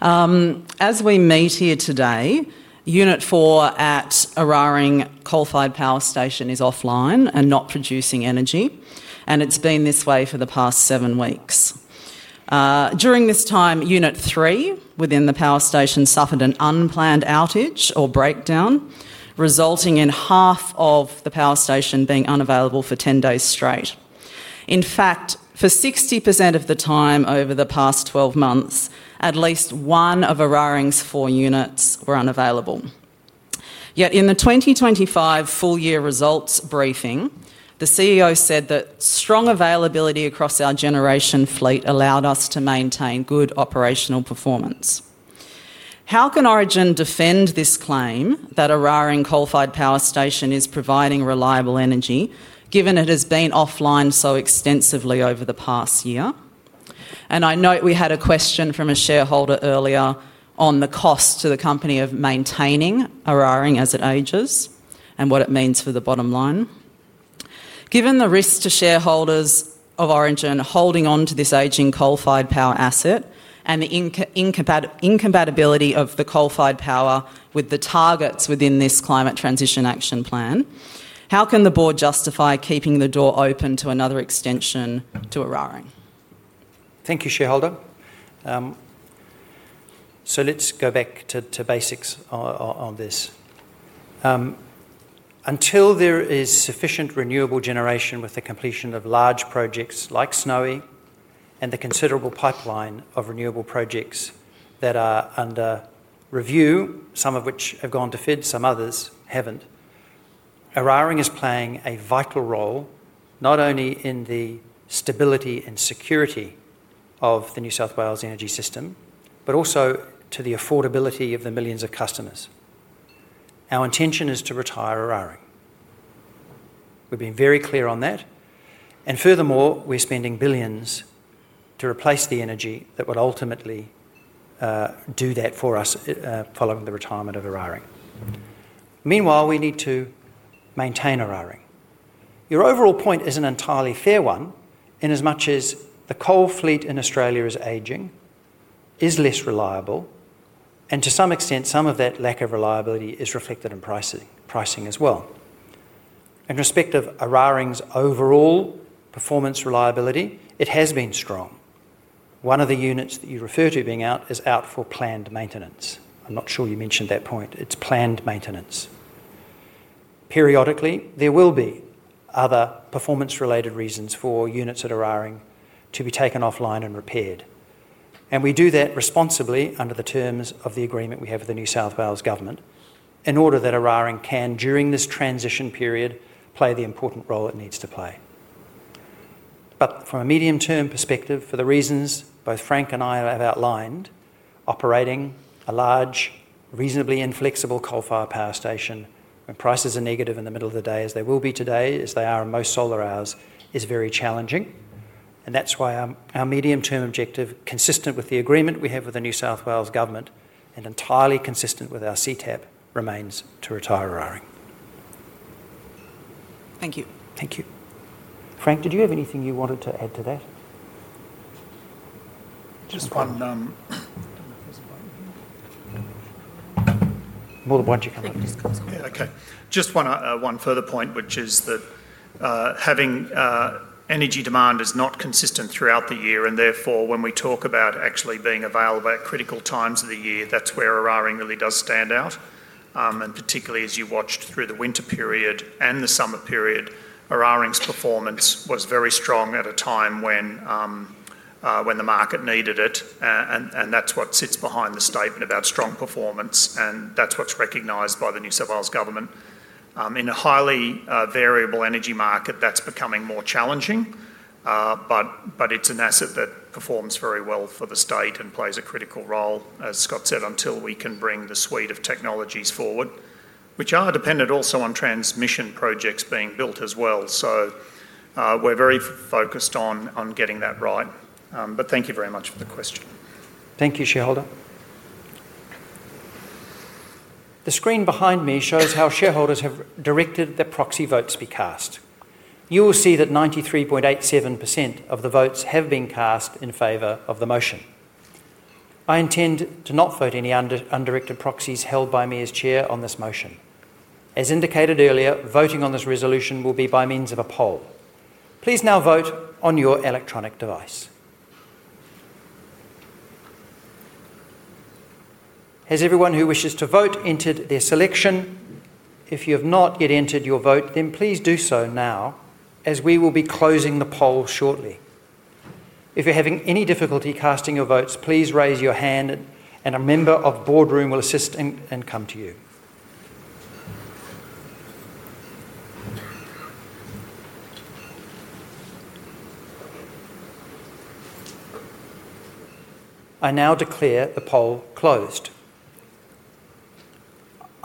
As we meet here today, Unit 4 at Eraring Power Station is offline and not producing energy, and it's been this way for the past seven weeks. During this time, Unit 3 within the power station suffered an unplanned outage or breakdown, resulting in half of the power station being unavailable for 10 days straight. In fact, for 60% of the time over the past 12 months, at least one of Eraring's four units was unavailable. Yet in the 2025 full-year results briefing, the CEO said that strong availability across our generation fleet allowed us to maintain good operational performance. How can Origin defend this claim that Eraring Power Station is providing reliable energy, given it has been offline so extensively over the past year? I note we had a question from a shareholder earlier on the cost to the company of maintaining Eraring as it ages and what it means for the bottom line. Given the risks to shareholders of Origin holding on to this aging coal-fired power asset and the incompatibility of the coal-fired power with the targets within this Climate Transition Action Plan, how can the board justify keeping the door open to another extension to Eraring? Thank you, shareholder. Let's go back to basics on this. Until there is sufficient renewable generation with the completion of large projects like Snowy and the considerable pipeline of renewable projects that are under review, some of which have gone to FEED, some others haven't, Eraring is playing a vital role not only in the stability and security of the New South Wales energy system, but also to the affordability of the millions of customers. Our intention is to retire Eraring. We're being very clear on that, and furthermore, we're spending billions to replace the energy that would ultimately do that for us following the retirement of Eraring. Meanwhile, we need to maintain Eraring. Your overall point is an entirely fair one, in as much as the coal fleet in Australia is aging, is less reliable, and to some extent, some of that lack of reliability is reflected in pricing as well. In respect of Eraring's overall performance reliability, it has been strong. One of the units that you refer to being out is out for planned maintenance. I'm not sure you mentioned that point. It's planned maintenance. Periodically, there will be other performance-related reasons for units at Eraring to be taken offline and repaired, and we do that responsibly under the terms of the agreement we have with the New South Wales government in order that Eraring can, during this transition period, play the important role it needs to play. From a medium-term perspective, for the reasons both Frank and I have outlined, operating a large, reasonably inflexible coal-fired power station when prices are negative in the middle of the day, as they will be today, as they are in most solar hours, is very challenging, and that's why our medium-term objective, consistent with the agreement we have with the New South Wales government and entirely consistent with our CTAP, remains to retire Eraring. Thank you. Thank you. Frank, did you have anything you wanted to add to that? Just one. Will, why don't you come up? Yeah, okay. Just one further point, which is that having energy demand is not consistent throughout the year, and therefore when we talk about actually being available at critical times of the year, that's where Eraring really does stand out, and particularly as you watched through the winter period and the summer period, Eraring's performance was very strong at a time when the market needed it, and that's what sits behind the statement about strong performance, and that's what's recognized by the New South Wales government. In a highly variable energy market, that's becoming more challenging, but it's an asset that performs very well for the state and plays a critical role, as Scott said, until we can bring the suite of technologies forward, which are dependent also on transmission projects being built as well. We're very focused on getting that right, but thank you very much for the question. Thank you, shareholder. The screen behind me shows how shareholders have directed that proxy votes be cast. You will see that 93.87% of the votes have been cast in favor of the motion. I intend to not vote any undirected proxies held by me as Chair on this motion. As indicated earlier, voting on this resolution will be by means of a poll. Please now vote on your electronic device. Has everyone who wishes to vote entered their selection? If you have not yet entered your vote, then please do so now, as we will be closing the poll shortly. If you're having any difficulty casting your votes, please raise your hand, and a member of the boardroom will assist and come to you. I now declare the poll closed.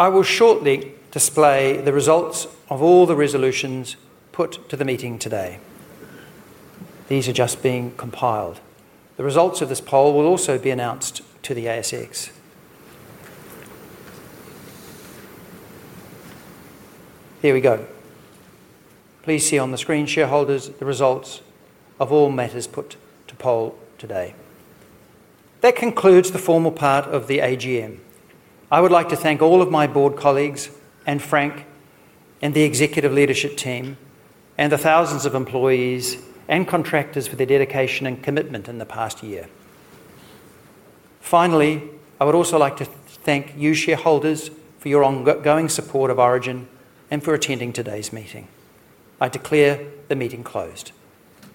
I will shortly display the results of all the resolutions put to the meeting today. These are just being compiled. The results of this poll will also be announced to the ASX. Here we go. Please see on the screen, shareholders, the results of all matters put to poll today. That concludes the formal part of the AGM. I would like to thank all of my board colleagues and Frank and the executive leadership team and the thousands of employees and contractors for their dedication and commitment in the past year. Finally, I would also like to thank you, shareholders, for your ongoing support of Origin and for attending today's meeting. I declare the meeting closed.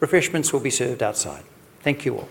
Refreshments will be served outside. Thank you all.